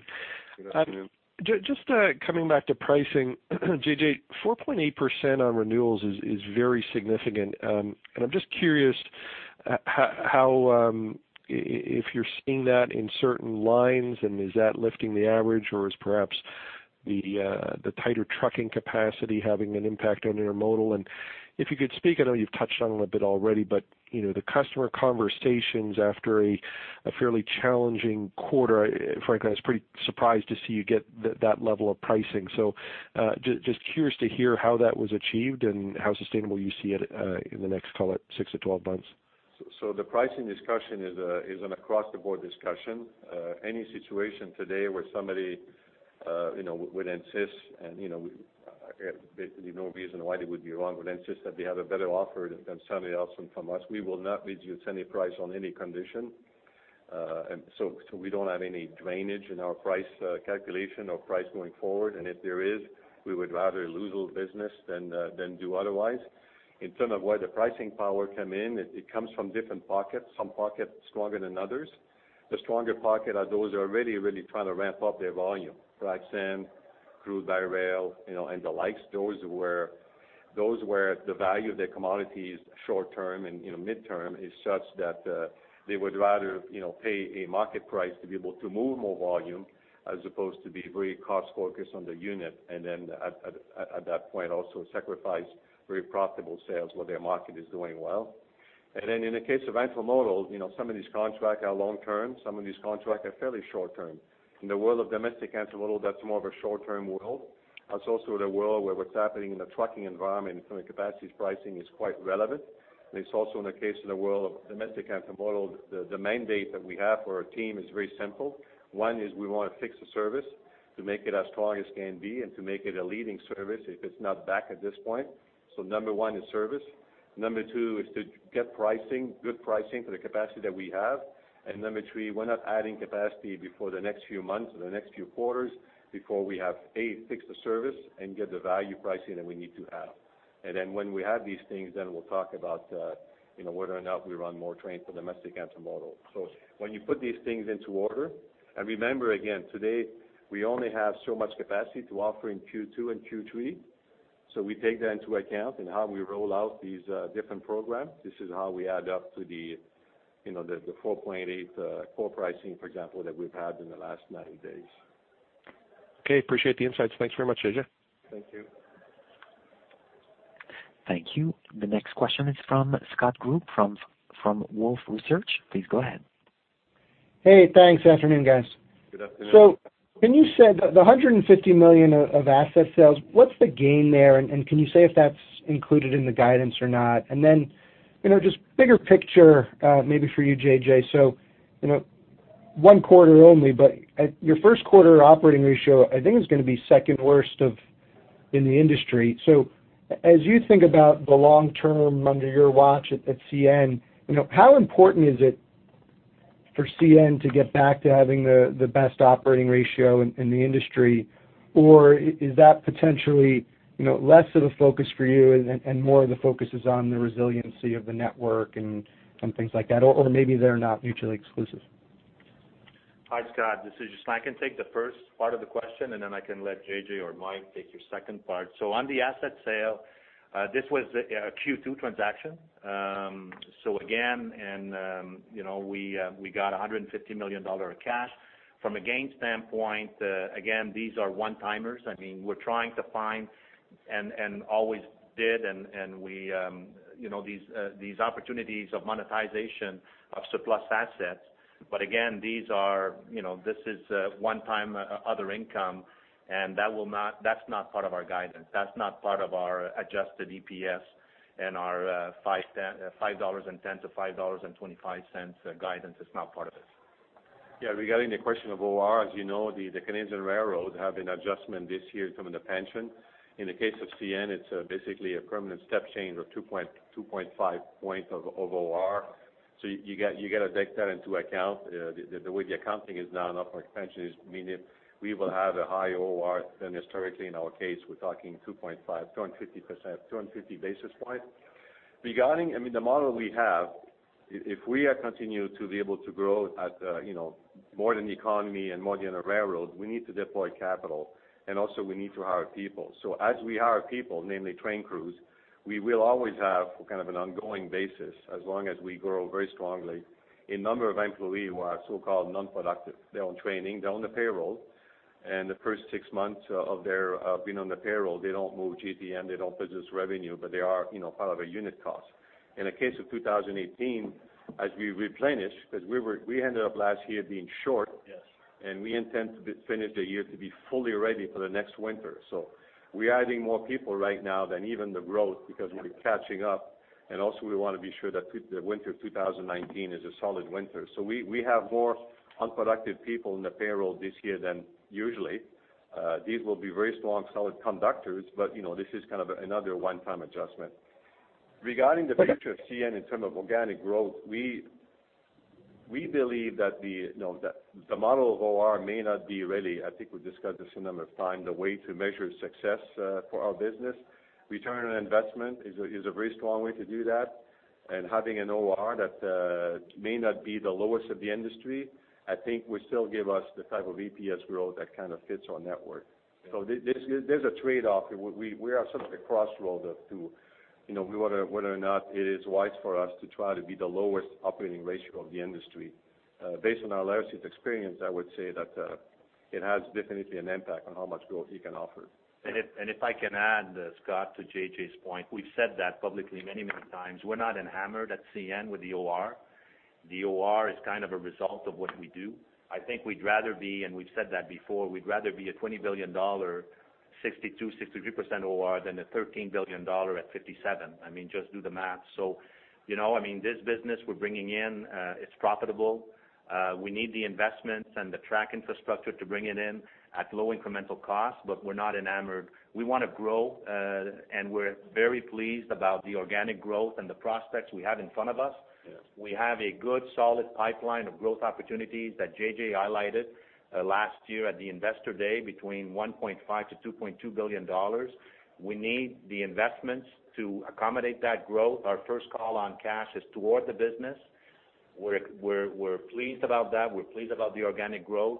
Good afternoon. Just coming back to pricing, J.J., 4.8% on renewals is very significant. And I'm just curious how if you're seeing that in certain lines, and is that lifting the average, or is perhaps the tighter trucking capacity having an impact on intermodal? And if you could speak, I know you've touched on it a bit already, but the customer conversations after a fairly challenging quarter, frankly, I was pretty surprised to see you get that level of pricing. So just curious to hear how that was achieved and how sustainable you see it in the next, call it, 6 to 12 months. So the pricing discussion is an across-the-board discussion. Any situation today where somebody would insist, and there's no reason why they would be wrong, would insist that they have a better offer than somebody else from us, we will not bid you at any price on any condition. So we don't have any drainage in our price calculation or price going forward. And if there is, we would rather lose all business than do otherwise. In terms of where the pricing power came in, it comes from different pockets. Some pockets stronger than others. The stronger pocket are those who are really, really trying to ramp up their volume, frac sand, crude by rail, and the likes. Those where the value of their commodities short-term and mid-term is such that they would rather pay a market price to be able to move more volume as opposed to be very cost-focused on the unit, and then at that point also sacrifice very profitable sales where their market is doing well. And then in the case of intermodal, some of these contracts are long-term. Some of these contracts are fairly short-term. In the world of domestic intermodal, that's more of a short-term world. That's also the world where what's happening in the trucking environment in terms of capacity pricing is quite relevant. And it's also in the case of the world of domestic intermodal, the mandate that we have for our team is very simple. One is we want to fix the service to make it as strong as it can be and to make it a leading service if it's not back at this point. So number 1 is service. Number 2 is to get pricing, good pricing for the capacity that we have. And number 3, we're not adding capacity before the next few months or the next few quarters before we have fixed the service and get the value pricing that we need to have. And then when we have these things, then we'll talk about whether or not we run more trains for domestic intermodal. So when you put these things into order, and remember again, today we only have so much capacity to offer in Q2 and Q3. So we take that into account in how we roll out these different programs. This is how we add up to the 4.8 core pricing, for example, that we've had in the last 90 days. Okay. Appreciate the insights. Thanks very much, J.J. Thank you. Thank you. The next question is from Scott Group from Wolfe Research. Please go ahead. Hey, thanks. Good afternoon, guys. Good afternoon. So can you say the $150 million of asset sales, what's the gain there? And can you say if that's included in the guidance or not? And then just bigger picture maybe for you, J.J. So one quarter only, but your first quarter operating ratio, I think, is going to be second worst in the industry. So as you think about the long term under your watch at CN, how important is it for CN to get back to having the best operating ratio in the industry? Or is that potentially less of a focus for you and more of the focus is on the resiliency of the network and things like that? Or maybe they're not mutually exclusive. Hi, Scott. This is Ghislain I can take the first part of the question, and then I can let J.J. or Mike take your second part. So on the asset sale, this was a Q2 transaction. So again, we got $150 million of cash. From a gain standpoint, again, these are one-timers. I mean, we're trying to find and always did, and we these opportunities of monetization of surplus assets. But again, this is one-time other income, and that's not part of our guidance. That's not part of our adjusted EPS and our $5.10-$5.25 guidance. It's not part of it. Yeah. Regarding the question of OR, as you know, the Canadian railroads have an adjustment this year coming to pension. In the case of CN, it's basically a permanent step change of 2.5 points of OR. So you got to take that into account. The way the accounting is now in OpEx pension is meaning we will have a higher OR than historically. In our case, we're talking 2.5, 250 basis points. I mean, the model we have, if we continue to be able to grow more than the economy and more than the railroads, we need to deploy capital. And also, we need to hire people. So as we hire people, namely train crews, we will always have kind of an ongoing basis as long as we grow very strongly. A number of employees who are so-called non-productive, they're on training, they're on the payroll, and the first six months of their being on the payroll, they don't move GTM, they don't produce revenue, but they are part of a unit cost. In the case of 2018, as we replenish, because we ended up last year being short, and we intend to finish the year to be fully ready for the next winter. So we're adding more people right now than even the growth because we're catching up. And also, we want to be sure that the winter of 2019 is a solid winter. So we have more unproductive people in the payroll this year than usually. These will be very strong, solid conductors, but this is kind of another one-time adjustment. Regarding the future of CN in terms of organic growth, we believe that the model of OR may not be really, I think we've discussed this a number of times, the way to measure success for our business. Return on investment is a very strong way to do that. Having an OR that may not be the lowest of the industry, I think would still give us the type of EPS growth that kind of fits our network. So there's a trade-off. We are sort of at a crossroads of two. Whether or not it is wise for us to try to be the lowest operating ratio of the industry. Based on our last year's experience, I would say that it has definitely an impact on how much growth you can offer. And if I can add, Scott, to J.J.'s point, we've said that publicly many, many times. We're not hammering at CN with the OR. The OR is kind of a result of what we do. I think we'd rather be, and we've said that before, we'd rather be a $20 billion, 62%-63% OR than a $13 billion at 57%. I mean, just do the math. So I mean, this business we're bringing in, it's profitable. We need the investments and the track infrastructure to bring it in at low incremental costs, but we're not in hammer. We want to grow, and we're very pleased about the organic growth and the prospects we have in front of us. We have a good solid pipeline of growth opportunities that J.J. highlighted last year at the Investor Day between $1.5 billion-$2.2 billion. We need the investments to accommodate that growth. Our first call on cash is toward the business. We're pleased about that. We're pleased about the organic growth,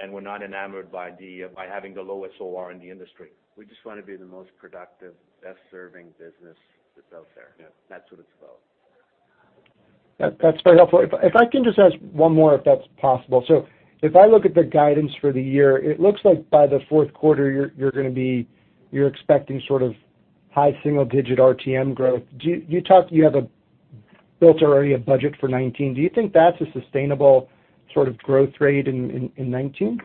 and we're not in hammer by having the lowest OR in the industry. We just want to be the most productive, best-serving business that's out there. That's what it's about. That's very helpful. If I can just ask one more if that's possible. So if I look at the guidance for the year, it looks like by the fourth quarter, you're expecting sort of high single-digit RTM growth. You have built already a budget for 2019. Do you think that's a sustainable sort of growth rate in 2019?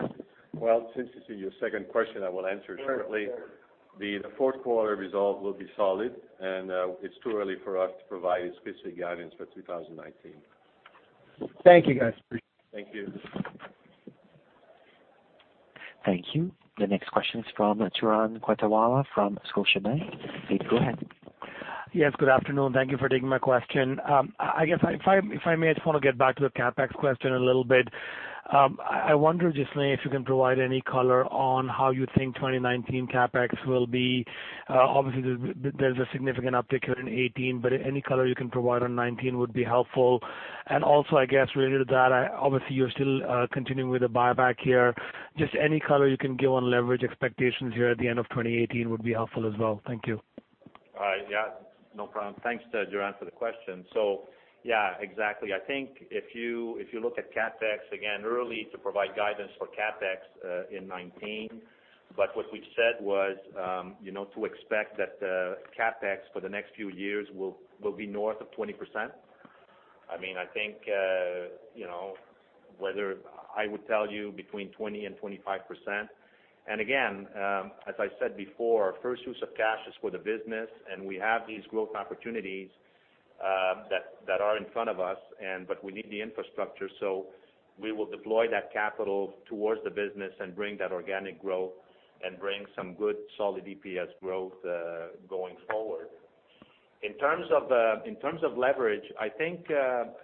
Well, since this is your second question, I will answer it shortly. The fourth quarter result will be solid, and it's too early for us to provide specific guidance for 2019. Thank you, guys. Thank you. Thank you. The next question is from Turan Quettawala from Scotiabank. Please go ahead. Yes. Good afternoon. Thank you for taking my question. I guess if I may, I just want to get back to the CapEx question a little bit. I wonder just if you can provide any color on how you think 2019 CapEx will be. Obviously, there's a significant uptick here in 2018, but any color you can provide on 2019 would be helpful. And also, I guess related to that, obviously, you're still continuing with the buyback here. Just any color you can give on leverage expectations here at the end of 2018 would be helpful as well. Thank you. Yeah. No problem. Thanks, Turan, for the question. So yeah, exactly. I think if you look at CapEx, again, early to provide guidance for CapEx in 2019, but what we've said was to expect that CapEx for the next few years will be north of 20%. I mean, I think whether I would tell you between 20% and 25%. And again, as I said before, our first use of cash is for the business, and we have these growth opportunities that are in front of us, but we need the infrastructure. So we will deploy that capital towards the business and bring that organic growth and bring some good solid EPS growth going forward. In terms of leverage, I think,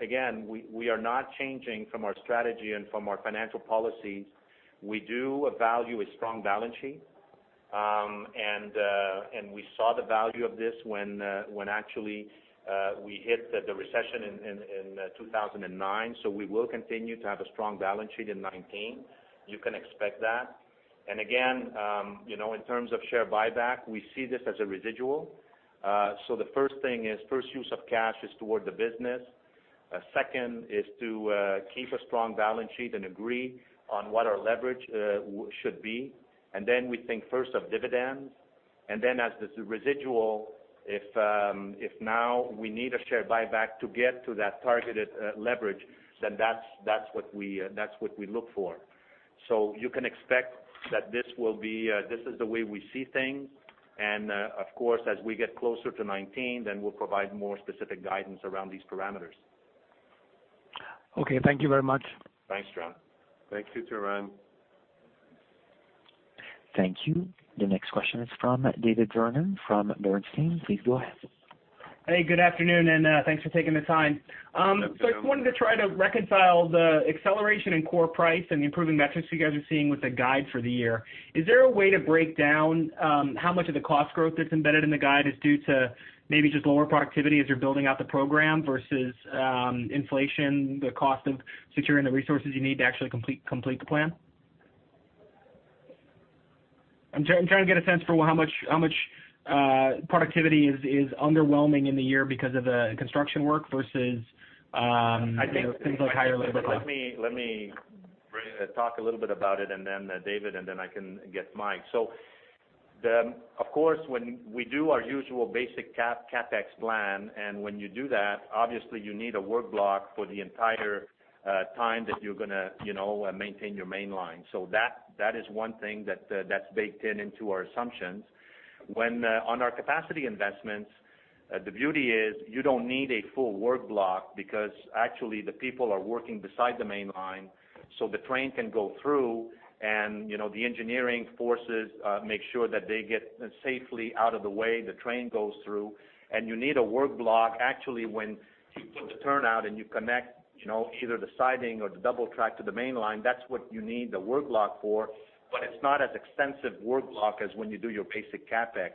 again, we are not changing from our strategy and from our financial policies. We do value a strong balance sheet, and we saw the value of this when actually we hit the recession in 2009. So we will continue to have a strong balance sheet in 2019. You can expect that. And again, in terms of share buyback, we see this as a residual. So the first thing is first use of cash is toward the business. Second is to keep a strong balance sheet and agree on what our leverage should be. And then we think first of dividends. And then as the residual, if now we need a share buyback to get to that targeted leverage, then that's what we look for. So you can expect that this will be this is the way we see things. And of course, as we get closer to 2019, then we'll provide more specific guidance around these parameters. Okay. Thank you very much. Thanks, Turan. Thank you, Turan. Thank you. The next question is from David Vernon from Bernstein. Please go ahead. Hey, good afternoon, and thanks for taking the time. So I wanted to try to reconcile the acceleration in core price and the improving metrics you guys are seeing with the guide for the year. Is there a way to break down how much of the cost growth that's embedded in the guide is due to maybe just lower productivity as you're building out the program versus inflation, the cost of securing the resources you need to actually complete the plan? I'm trying to get a sense for how much productivity is underwhelming in the year because of the construction work versus things like higher labor costs. Let me talk a little bit about it, and then David, and then I can get Mike. So of course, when we do our usual basic CapEx plan, and when you do that, obviously, you need a work block for the entire time that you're going to maintain your mainline. So that is one thing that's baked into our assumptions. When on our capacity investments, the beauty is you don't need a full work block because actually the people are working beside the mainline so the train can go through, and the engineering forces make sure that they get safely out of the way the train goes through. And you need a work block actually when you put the turnout and you connect either the siding or the double track to the mainline, that's what you need the work block for. But it's not as extensive work block as when you do your basic CapEx.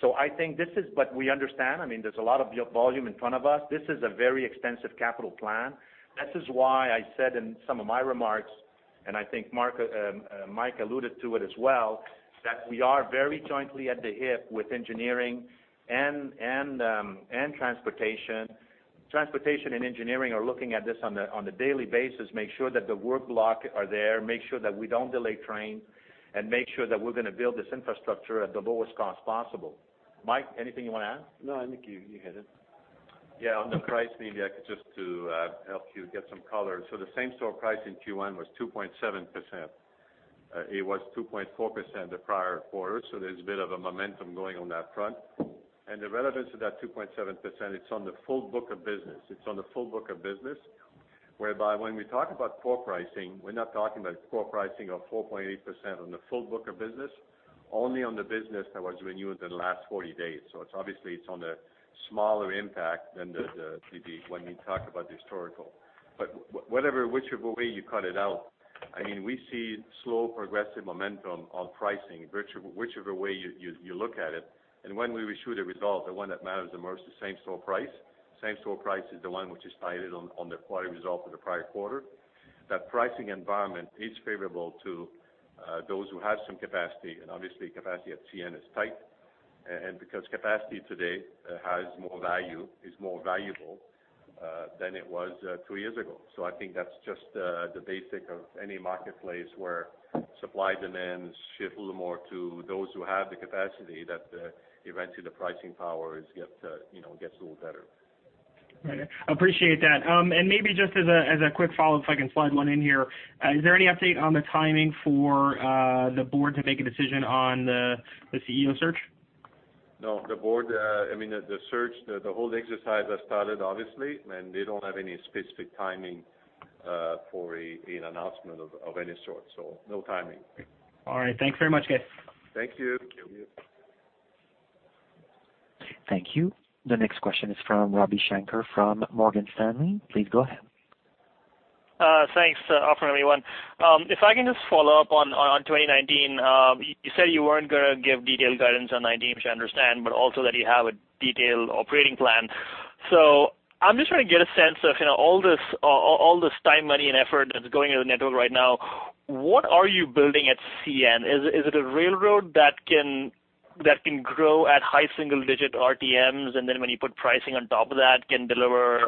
So I think this is, but we understand. I mean, there's a lot of volume in front of us. This is a very extensive capital plan. This is why I said in some of my remarks, and I think Mike alluded to it as well, that we are very joined at the hip with engineering and transportation. Transportation and engineering are looking at this on a daily basis, make sure that the work blocks are there, make sure that we don't delay trains, and make sure that we're going to build this infrastructure at the lowest cost possible. Mike, anything you want to add? No, I think you hit it. Yeah. On the price, maybe I could just help you get some color. So the same store price in Q1 was 2.7%. It was 2.4% the prior quarter, so there's a bit of a momentum going on that front. And the relevance of that 2.7%, it's on the full book of business. It's on the full book of business, whereby when we talk about core pricing, we're not talking about core pricing of 4.8% on the full book of business, only on the business that was renewed in the last 40 days. So obviously, it's on a smaller impact than when we talk about the historical. But whichever way you cut it out, I mean, we see slow progressive momentum on pricing, whichever way you look at it. And when we issue the results, the one that matters the most is same store price. Same-store price is the one which is tied in on the quarter result of the prior quarter. That pricing environment is favorable to those who have some capacity, and obviously, capacity at CN is tight. And because capacity today has more value, is more valuable than it was two years ago. So I think that's just the basics of any marketplace where supply and demand shift a little more to those who have the capacity that eventually the pricing power gets a little better. Appreciate that. Maybe just as a quick follow-up, if I can slide one in here, is there any update on the timing for the board to make a decision on the CEO search? No. I mean, the search, the whole exercise has started, obviously, and they don't have any specific timing for an announcement of any sort. So no timing. All right. Thanks very much, guys. Thank you. Thank you. The next question is from Ravi Shanker from Morgan Stanley. Please go ahead. Thanks for offering me one. If I can just follow up on 2019, you said you weren't going to give detailed guidance on '19, which I understand, but also that you have a detailed operating plan. So I'm just trying to get a sense of all this time, money, and effort that's going into the network right now. What are you building at CN? Is it a railroad that can grow at high single-digit RTMs, and then when you put pricing on top of that, can deliver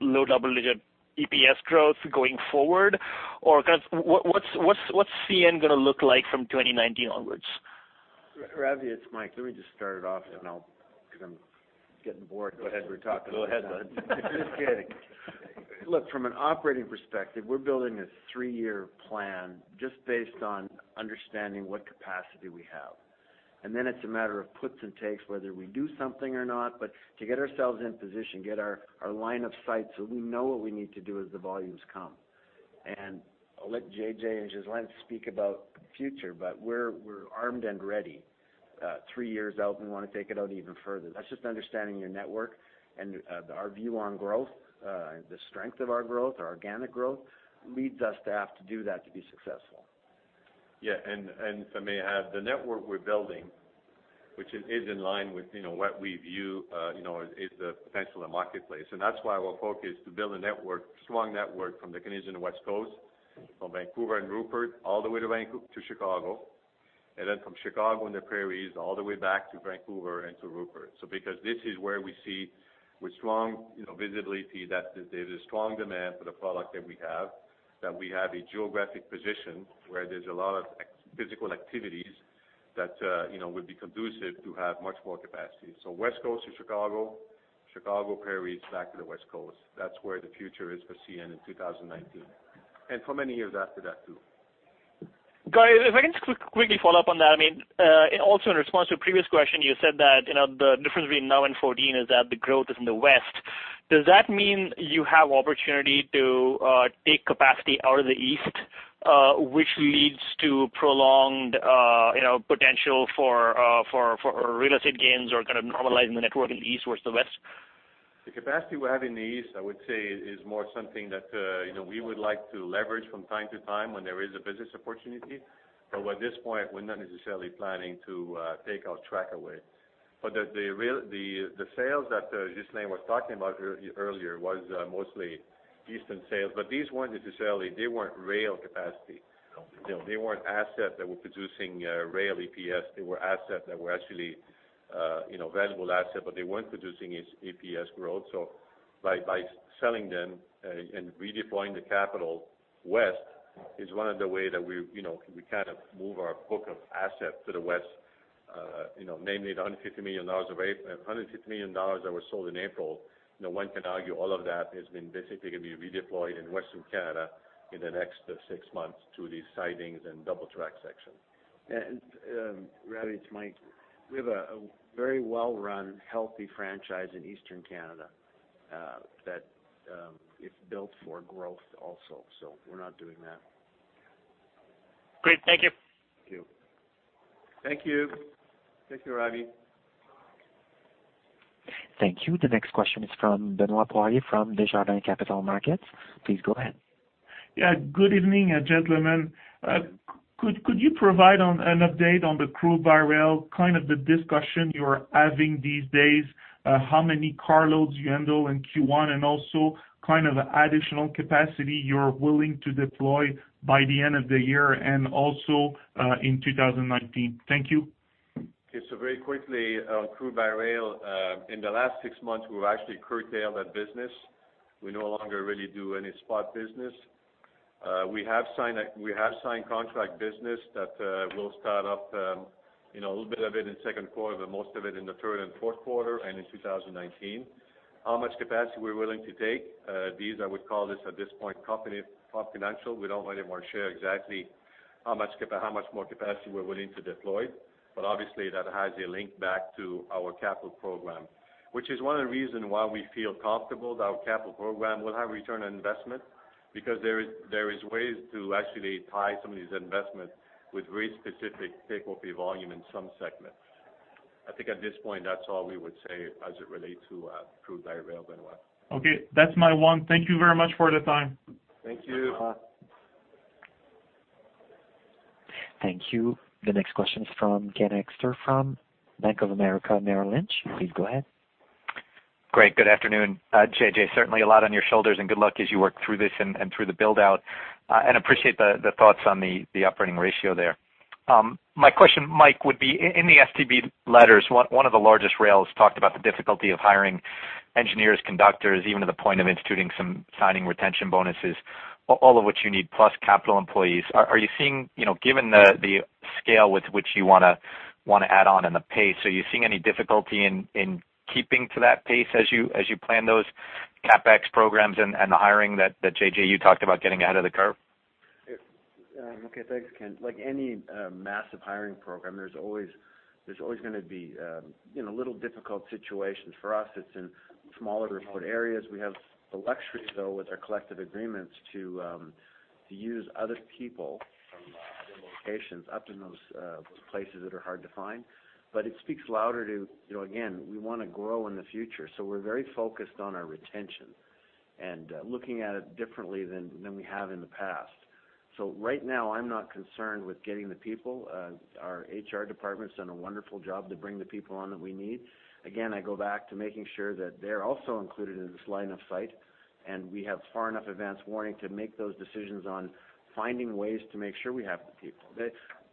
low double-digit EPS growth going forward? Or what's CN going to look like from 2019 onwards? Ravi, ask Mike, let me just start it off because I'm getting bored. Go ahead. We're talking. Go ahead. Just kidding. Look, from an operating perspective, we're building a three-year plan just based on understanding what capacity we have. And then it's a matter of puts and takes, whether we do something or not, but to get ourselves in position, get our line of sight so we know what we need to do as the volumes come. And I'll let J.J. and Ghislain speak about the future, but we're armed and ready. Three years out, we want to take it out even further. That's just understanding your network and our view on growth, the strength of our growth, our organic growth leads us to have to do that to be successful. Yeah. And so maybe the network we're building, which is in line with what we view is the potential of the marketplace. And that's why our focus is to build a network, strong network from the Canadian West Coast, from Vancouver and Rupert, all the way to Chicago, and then from Chicago and the Prairies all the way back to Vancouver and to Rupert. So because this is where we see with strong visibility that there's a strong demand for the product that we have, that we have a geographic position where there's a lot of physical activities that would be conducive to have much more capacity. So West Coast to Chicago, Chicago Prairies back to the West Coast. That's where the future is for CN in 2019. And for many years after that too. Guys, if I can just quickly follow up on that. I mean, also in response to a previous question, you said that the difference between now and 2014 is that the growth is in the west. Does that mean you have opportunity to take capacity out of the east, which leads to prolonged potential for real estate gains or kind of normalizing the network in the east versus the west? The capacity we have in the east, I would say, is more something that we would like to leverage from time to time when there is a business opportunity. But at this point, we're not necessarily planning to take our track away. But the sales that Ghislain was talking about earlier was mostly eastern sales. But these weren't necessarily they weren't rail capacity. They weren't assets that were producing rail EPS. They were assets that were actually valuable assets, but they weren't producing EPS growth. So by selling them and redeploying the capital west is one of the ways that we kind of move our book of assets to the west, namely the $150 million of $150 million that was sold in April. No one can argue all of that has been basically going to be redeployed in Western Canada in the next six months to the sidings and double track section. And Ravi to Mike, we have a very well-run, healthy franchise in Eastern Canada that is built for growth also. So we're not doing that. Great. Thank you. Thank you. Thank you. Thank you, Ravi. Thank you. The next question is from Benoit Poirier from Desjardins Capital Markets. Please go ahead. Yeah. Good evening, gentlemen. Could you provide an update on the crude by rail, kind of the discussion you're having these days, how many carloads you handle in Q1, and also kind of additional capacity you're willing to deploy by the end of the year and also in 2019? Thank you. Okay. So very quickly, on crude by rail, in the last six months, we've actually curtailed that business. We no longer really do any spot business. We have signed contract business that will start up a little bit of it in the second quarter, but most of it in the third and fourth quarter and in 2019. How much capacity we're willing to take, these, I would call this at this point, confidential. We don't want anyone to share exactly how much more capacity we're willing to deploy. But obviously, that has a link back to our capital program, which is one of the reasons why we feel comfortable that our capital program will have return on investment because there are ways to actually tie some of these investments with very specific takeover volume in some segments. I think at this point, that's all we would say as it relates to crude-by-rail, Benoit. Okay. That's my one. Thank you very much for the time. Thank you. Thank you. The next question is from Ken Hoexter from Bank of America Merrill Lynch. Please go ahead. Great. Good afternoon. J.J., certainly a lot on your shoulders, and good luck as you work through this and through the build-out. Appreciate the thoughts on the operating ratio there. My question, Mike, would be in the STB letters, one of the largest rails talked about the difficulty of hiring engineers, conductors, even to the point of instituting some signing retention bonuses, all of which you need, plus capital employees. Are you seeing, given the scale with which you want to add on and the pace, are you seeing any difficulty in keeping to that pace as you plan those CapEx programs and the hiring that J.J., you talked about getting ahead of the curve? Okay. Thanks, Ken. Like any massive hiring program, there's always going to be a little difficult situations. For us, it's in smaller remote areas. We have the luxury, though, with our collective agreements to use other people from other locations up in those places that are hard to find. But it speaks louder to, again, we want to grow in the future. So we're very focused on our retention and looking at it differently than we have in the past. So right now, I'm not concerned with getting the people. Our HR department's done a wonderful job to bring the people on that we need. Again, I go back to making sure that they're also included in this line of sight, and we have far enough advance warning to make those decisions on finding ways to make sure we have the people.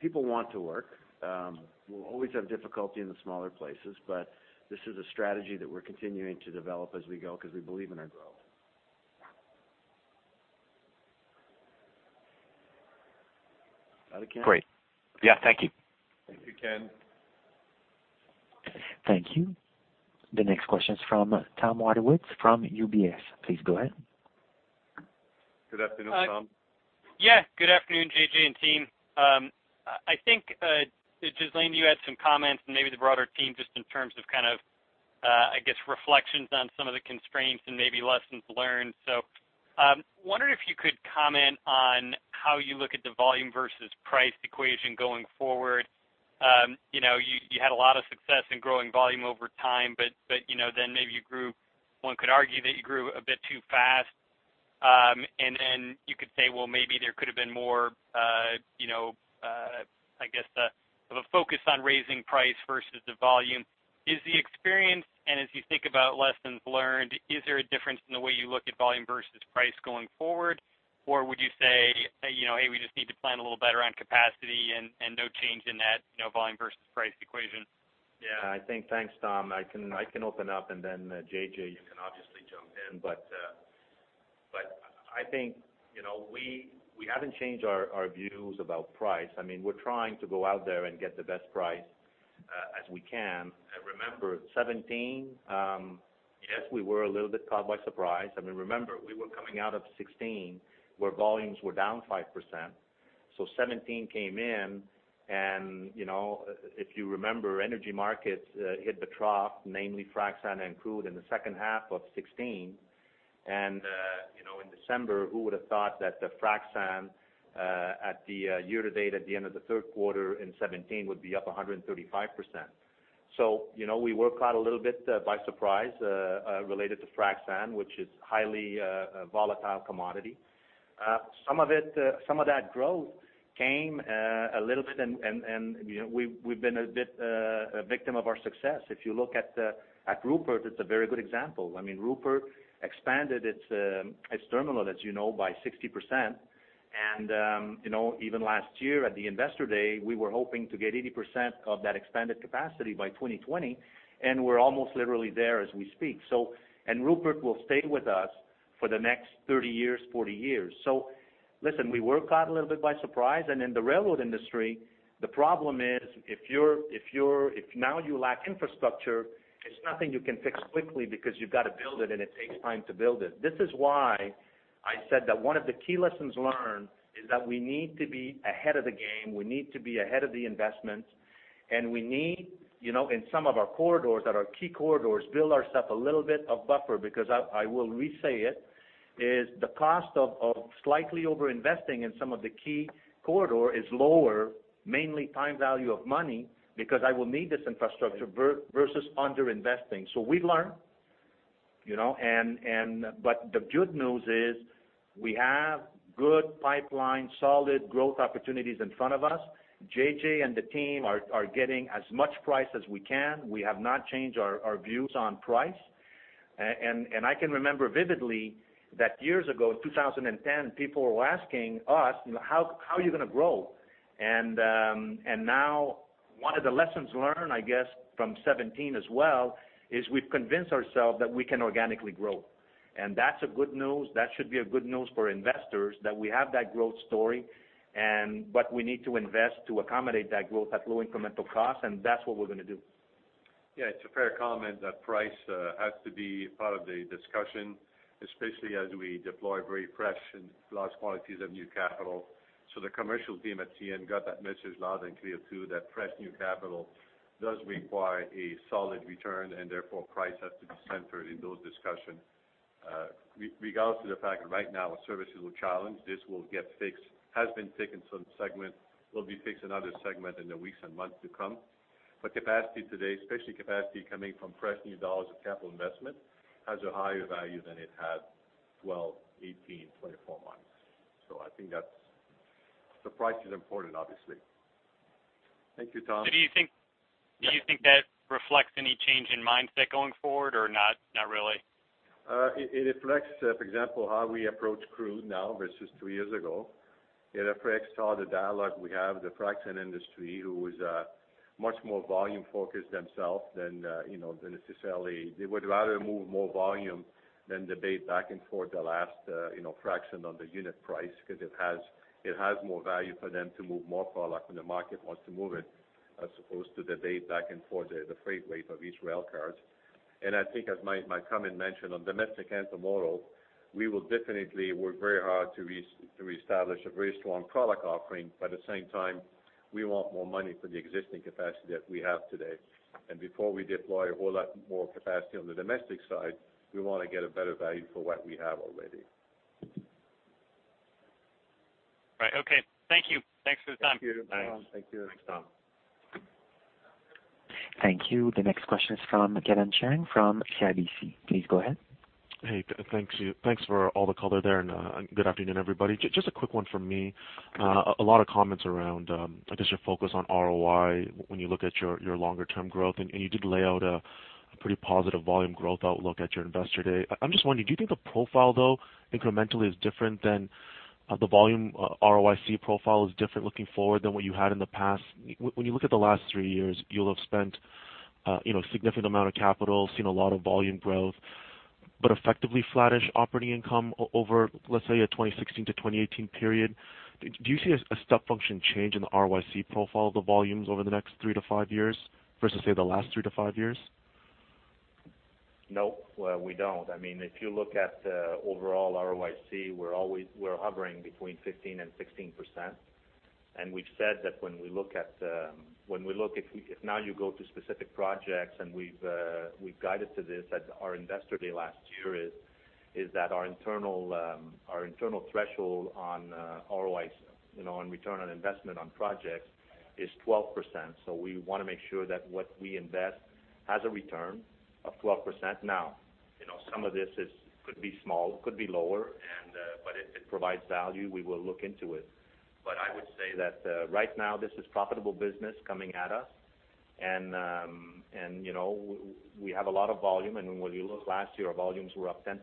People want to work. We'll always have difficulty in the smaller places, but this is a strategy that we're continuing to develop as we go because we believe in our growth. Is that okay? Great. Yeah. Thank you. Thank you, Ken. Thank you. The next question is from Tom Wadewitz from UBS. Please go ahead. Good afternoon, Tom. Yeah. Good afternoon, J.J. and team. I think, Ghislain, you had some comments and maybe the broader team just in terms of kind of, I guess, reflections on some of the constraints and maybe lessons learned. So wondered if you could comment on how you look at the volume versus price equation going forward. You had a lot of success in growing volume over time, but then maybe one could argue that you grew a bit too fast. And then you could say, well, maybe there could have been more, I guess, of a focus on raising price versus the volume. Is the experience, and as you think about lessons learned, is there a difference in the way you look at volume versus price going forward? Or would you say, "Hey, we just need to plan a little better on capacity and no change in that volume versus price equation"? Yeah. I think, thanks, Tom. I can open up, and then J.J., you can obviously jump in. But I think we haven't changed our views about price. I mean, we're trying to go out there and get the best price as we can. And remember, 2017, yes, we were a little bit caught by surprise. I mean, remember, we were coming out of 2016 where volumes were down 5%. So 2017 came in, and if you remember, energy markets hit the trough, namely frac sand and crude in the second half of 2016. And in December, who would have thought that the frac sand at the year-to-date at the end of the third quarter in 2017 would be up 135%? So we were caught a little bit by surprise related to frac sand, which is a highly volatile commodity. Some of that growth came a little bit, and we've been a bit a victim of our success. If you look at Rupert, it's a very good example. I mean, Rupert expanded its terminal, as you know, by 60%. Even last year at the investor day, we were hoping to get 80% of that expanded capacity by 2020, and we're almost literally there as we speak. Rupert will stay with us for the next 30 years, 40 years. So listen, we were caught a little bit by surprise. In the railroad industry, the problem is if now you lack infrastructure, it's nothing you can fix quickly because you've got to build it, and it takes time to build it. This is why I said that one of the key lessons learned is that we need to be ahead of the game. We need to be ahead of the investments. And we need, in some of our corridors that are key corridors, build ourselves a little bit of buffer because I will re-say it, is the cost of slightly over-investing in some of the key corridors is lower, mainly time value of money because I will need this infrastructure versus under-investing. So we've learned. But the good news is we have good pipeline, solid growth opportunities in front of us. J.J. and the team are getting as much price as we can. We have not changed our views on price. And I can remember vividly that years ago, in 2010, people were asking us, "How are you going to grow?" And now one of the lessons learned, I guess, from 2017 as well is we've convinced ourselves that we can organically grow. And that's good news. That should be good news for investors that we have that growth story, but we need to invest to accommodate that growth at low incremental costs, and that's what we're going to do. Yeah. It's a fair comment that price has to be part of the discussion, especially as we deploy very fresh and large quantities of new capital. So the commercial team at CN got that message loud and clear too that fresh new capital does require a solid return, and therefore price has to be centered in those discussions. Regardless of the fact that right now, our service is a little challenged. This will get fixed. Has been fixed in some segments. Will be fixed in other segments in the weeks and months to come. But capacity today, especially capacity coming from fresh new dollars of capital investment, has a higher value than it had 12, 18, 24 months. So I think that's the price is important, obviously. Thank you, Tom. Do you think that reflects any change in mindset going forward or not really? It reflects, for example, how we approach crew now versus two years ago. It reflects how the dialogue we have with the frac sand industry, who is much more volume-focused themselves than necessarily. They would rather move more volume than debate back and forth the last fraction on the unit price because it has more value for them to move more product when the market wants to move it as opposed to the debate back and forth, the freight rate of each rail cars. And I think, as my comment mentioned, on domestic intermodal, we will definitely work very hard to reestablish a very strong product offering. But at the same time, we want more money for the existing capacity that we have today. And before we deploy a whole lot more capacity on the domestic side, we want to get a better value for what we have already. Right. Okay. Thank you. Thanks for the time. Thank you. Thanks, Tom. Thank you. The next question is from Kevin Chiang from CIBC. Please go ahead. Hey. Thanks for all the color there, and good afternoon, everybody. Just a quick one from me. A lot of comments around, I guess, your focus on ROI when you look at your longer-term growth. And you did lay out a pretty positive volume growth outlook at your investor day. I'm just wondering, do you think the profile, though, incrementally is different than the volume ROIC profile is different looking forward than what you had in the past? When you look at the last three years, you'll have spent a significant amount of capital, seen a lot of volume growth, but effectively flattish operating income over, let's say, a 2016 to 2018 period. Do you see a step function change in the ROIC profile of the volumes over the next three to five years versus, say, the last three to five years? No, we don't. I mean, if you look at the overall ROIC, we're hovering between 15%-16%. And we've said that when we look at when we look, if now you go to specific projects, and we've guided to this at our investor day last year, is that our internal threshold on ROIC, on return on investment on projects, is 12%. So we want to make sure that what we invest has a return of 12%. Now, some of this could be small, could be lower, but if it provides value, we will look into it. But I would say that right now, this is profitable business coming at us. And we have a lot of volume. And when you look last year, our volumes were up 10%.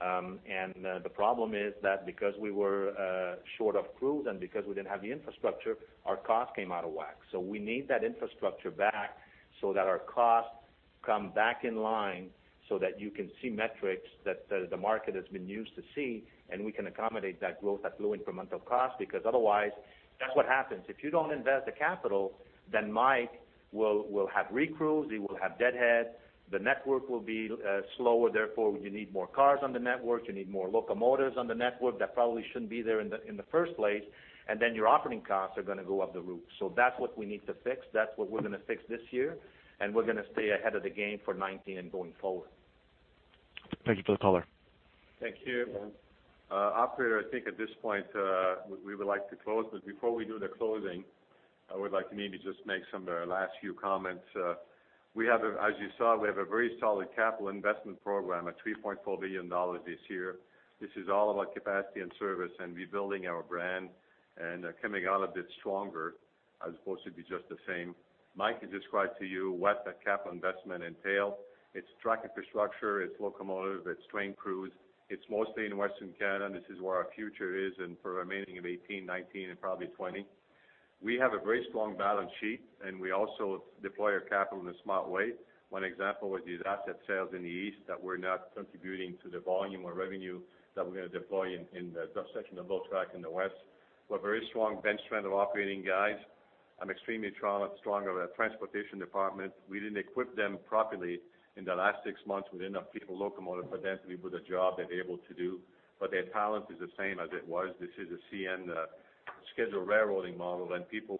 The problem is that because we were short of crews and because we didn't have the infrastructure, our cost came out of whack. So we need that infrastructure back so that our costs come back in line so that you can see metrics that the market has been used to see, and we can accommodate that growth at low incremental cost because otherwise, that's what happens. If you don't invest the capital, then Mike will have recruits. He will have deadheads. The network will be slower. Therefore, you need more cars on the network. You need more locomotives on the network that probably shouldn't be there in the first place. And then your operating costs are going to go through the roof. So that's what we need to fix. That's what we're going to fix this year. We're going to stay ahead of the game for 2019 and going forward. Thank you for the color. Thank you. Operator, I think at this point, we would like to close. Before we do the closing, I would like to maybe just make some last few comments. As you saw, we have a very solid capital investment program at $3.4 billion this year. This is all about capacity and service and rebuilding our brand and coming out a bit stronger as opposed to be just the same. Mike has described to you what that capital investment entails. It's track infrastructure. It's locomotives. It's train crews. It's mostly in Western Canada. This is where our future is for the remaining of 2018, 2019, and probably 2020. We have a very strong balance sheet, and we also deploy our capital in a smart way. One example was these asset sales in the east that we're not contributing to the volume or revenue that we're going to deploy in the section of double track in the west. We're a very strong bench strength of operating guys. I'm extremely strong of our transportation department. We didn't equip them properly in the last six months. We didn't have people locomotive for them to be able to do the job they're able to do. But their talent is the same as it was. This is a CN scheduled railroading model, and people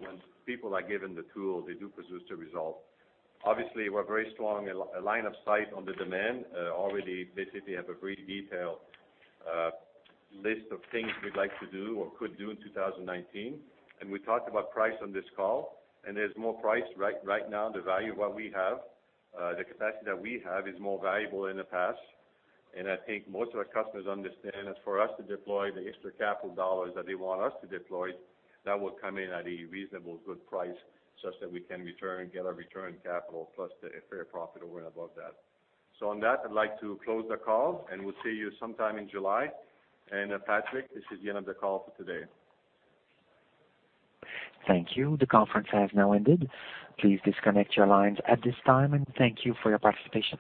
are given the tools. They do produce the result. Obviously, we're very strong in line of sight on the demand. Already, basically, we have a very detailed list of things we'd like to do or could do in 2019. We talked about price on this call. There's more price right now. The value of what we have, the capacity that we have, is more valuable than in the past. I think most of our customers understand that for us to deploy the extra capital dollars that they want us to deploy, that will come in at a reasonable good price such that we can get a return capital plus a fair profit over and above that. On that, I'd like to close the call, and we'll see you sometime in July. Patrick, this is the end of the call for today. Thank you. The conference has now ended. Please disconnect your lines at this time, and thank you for your participation.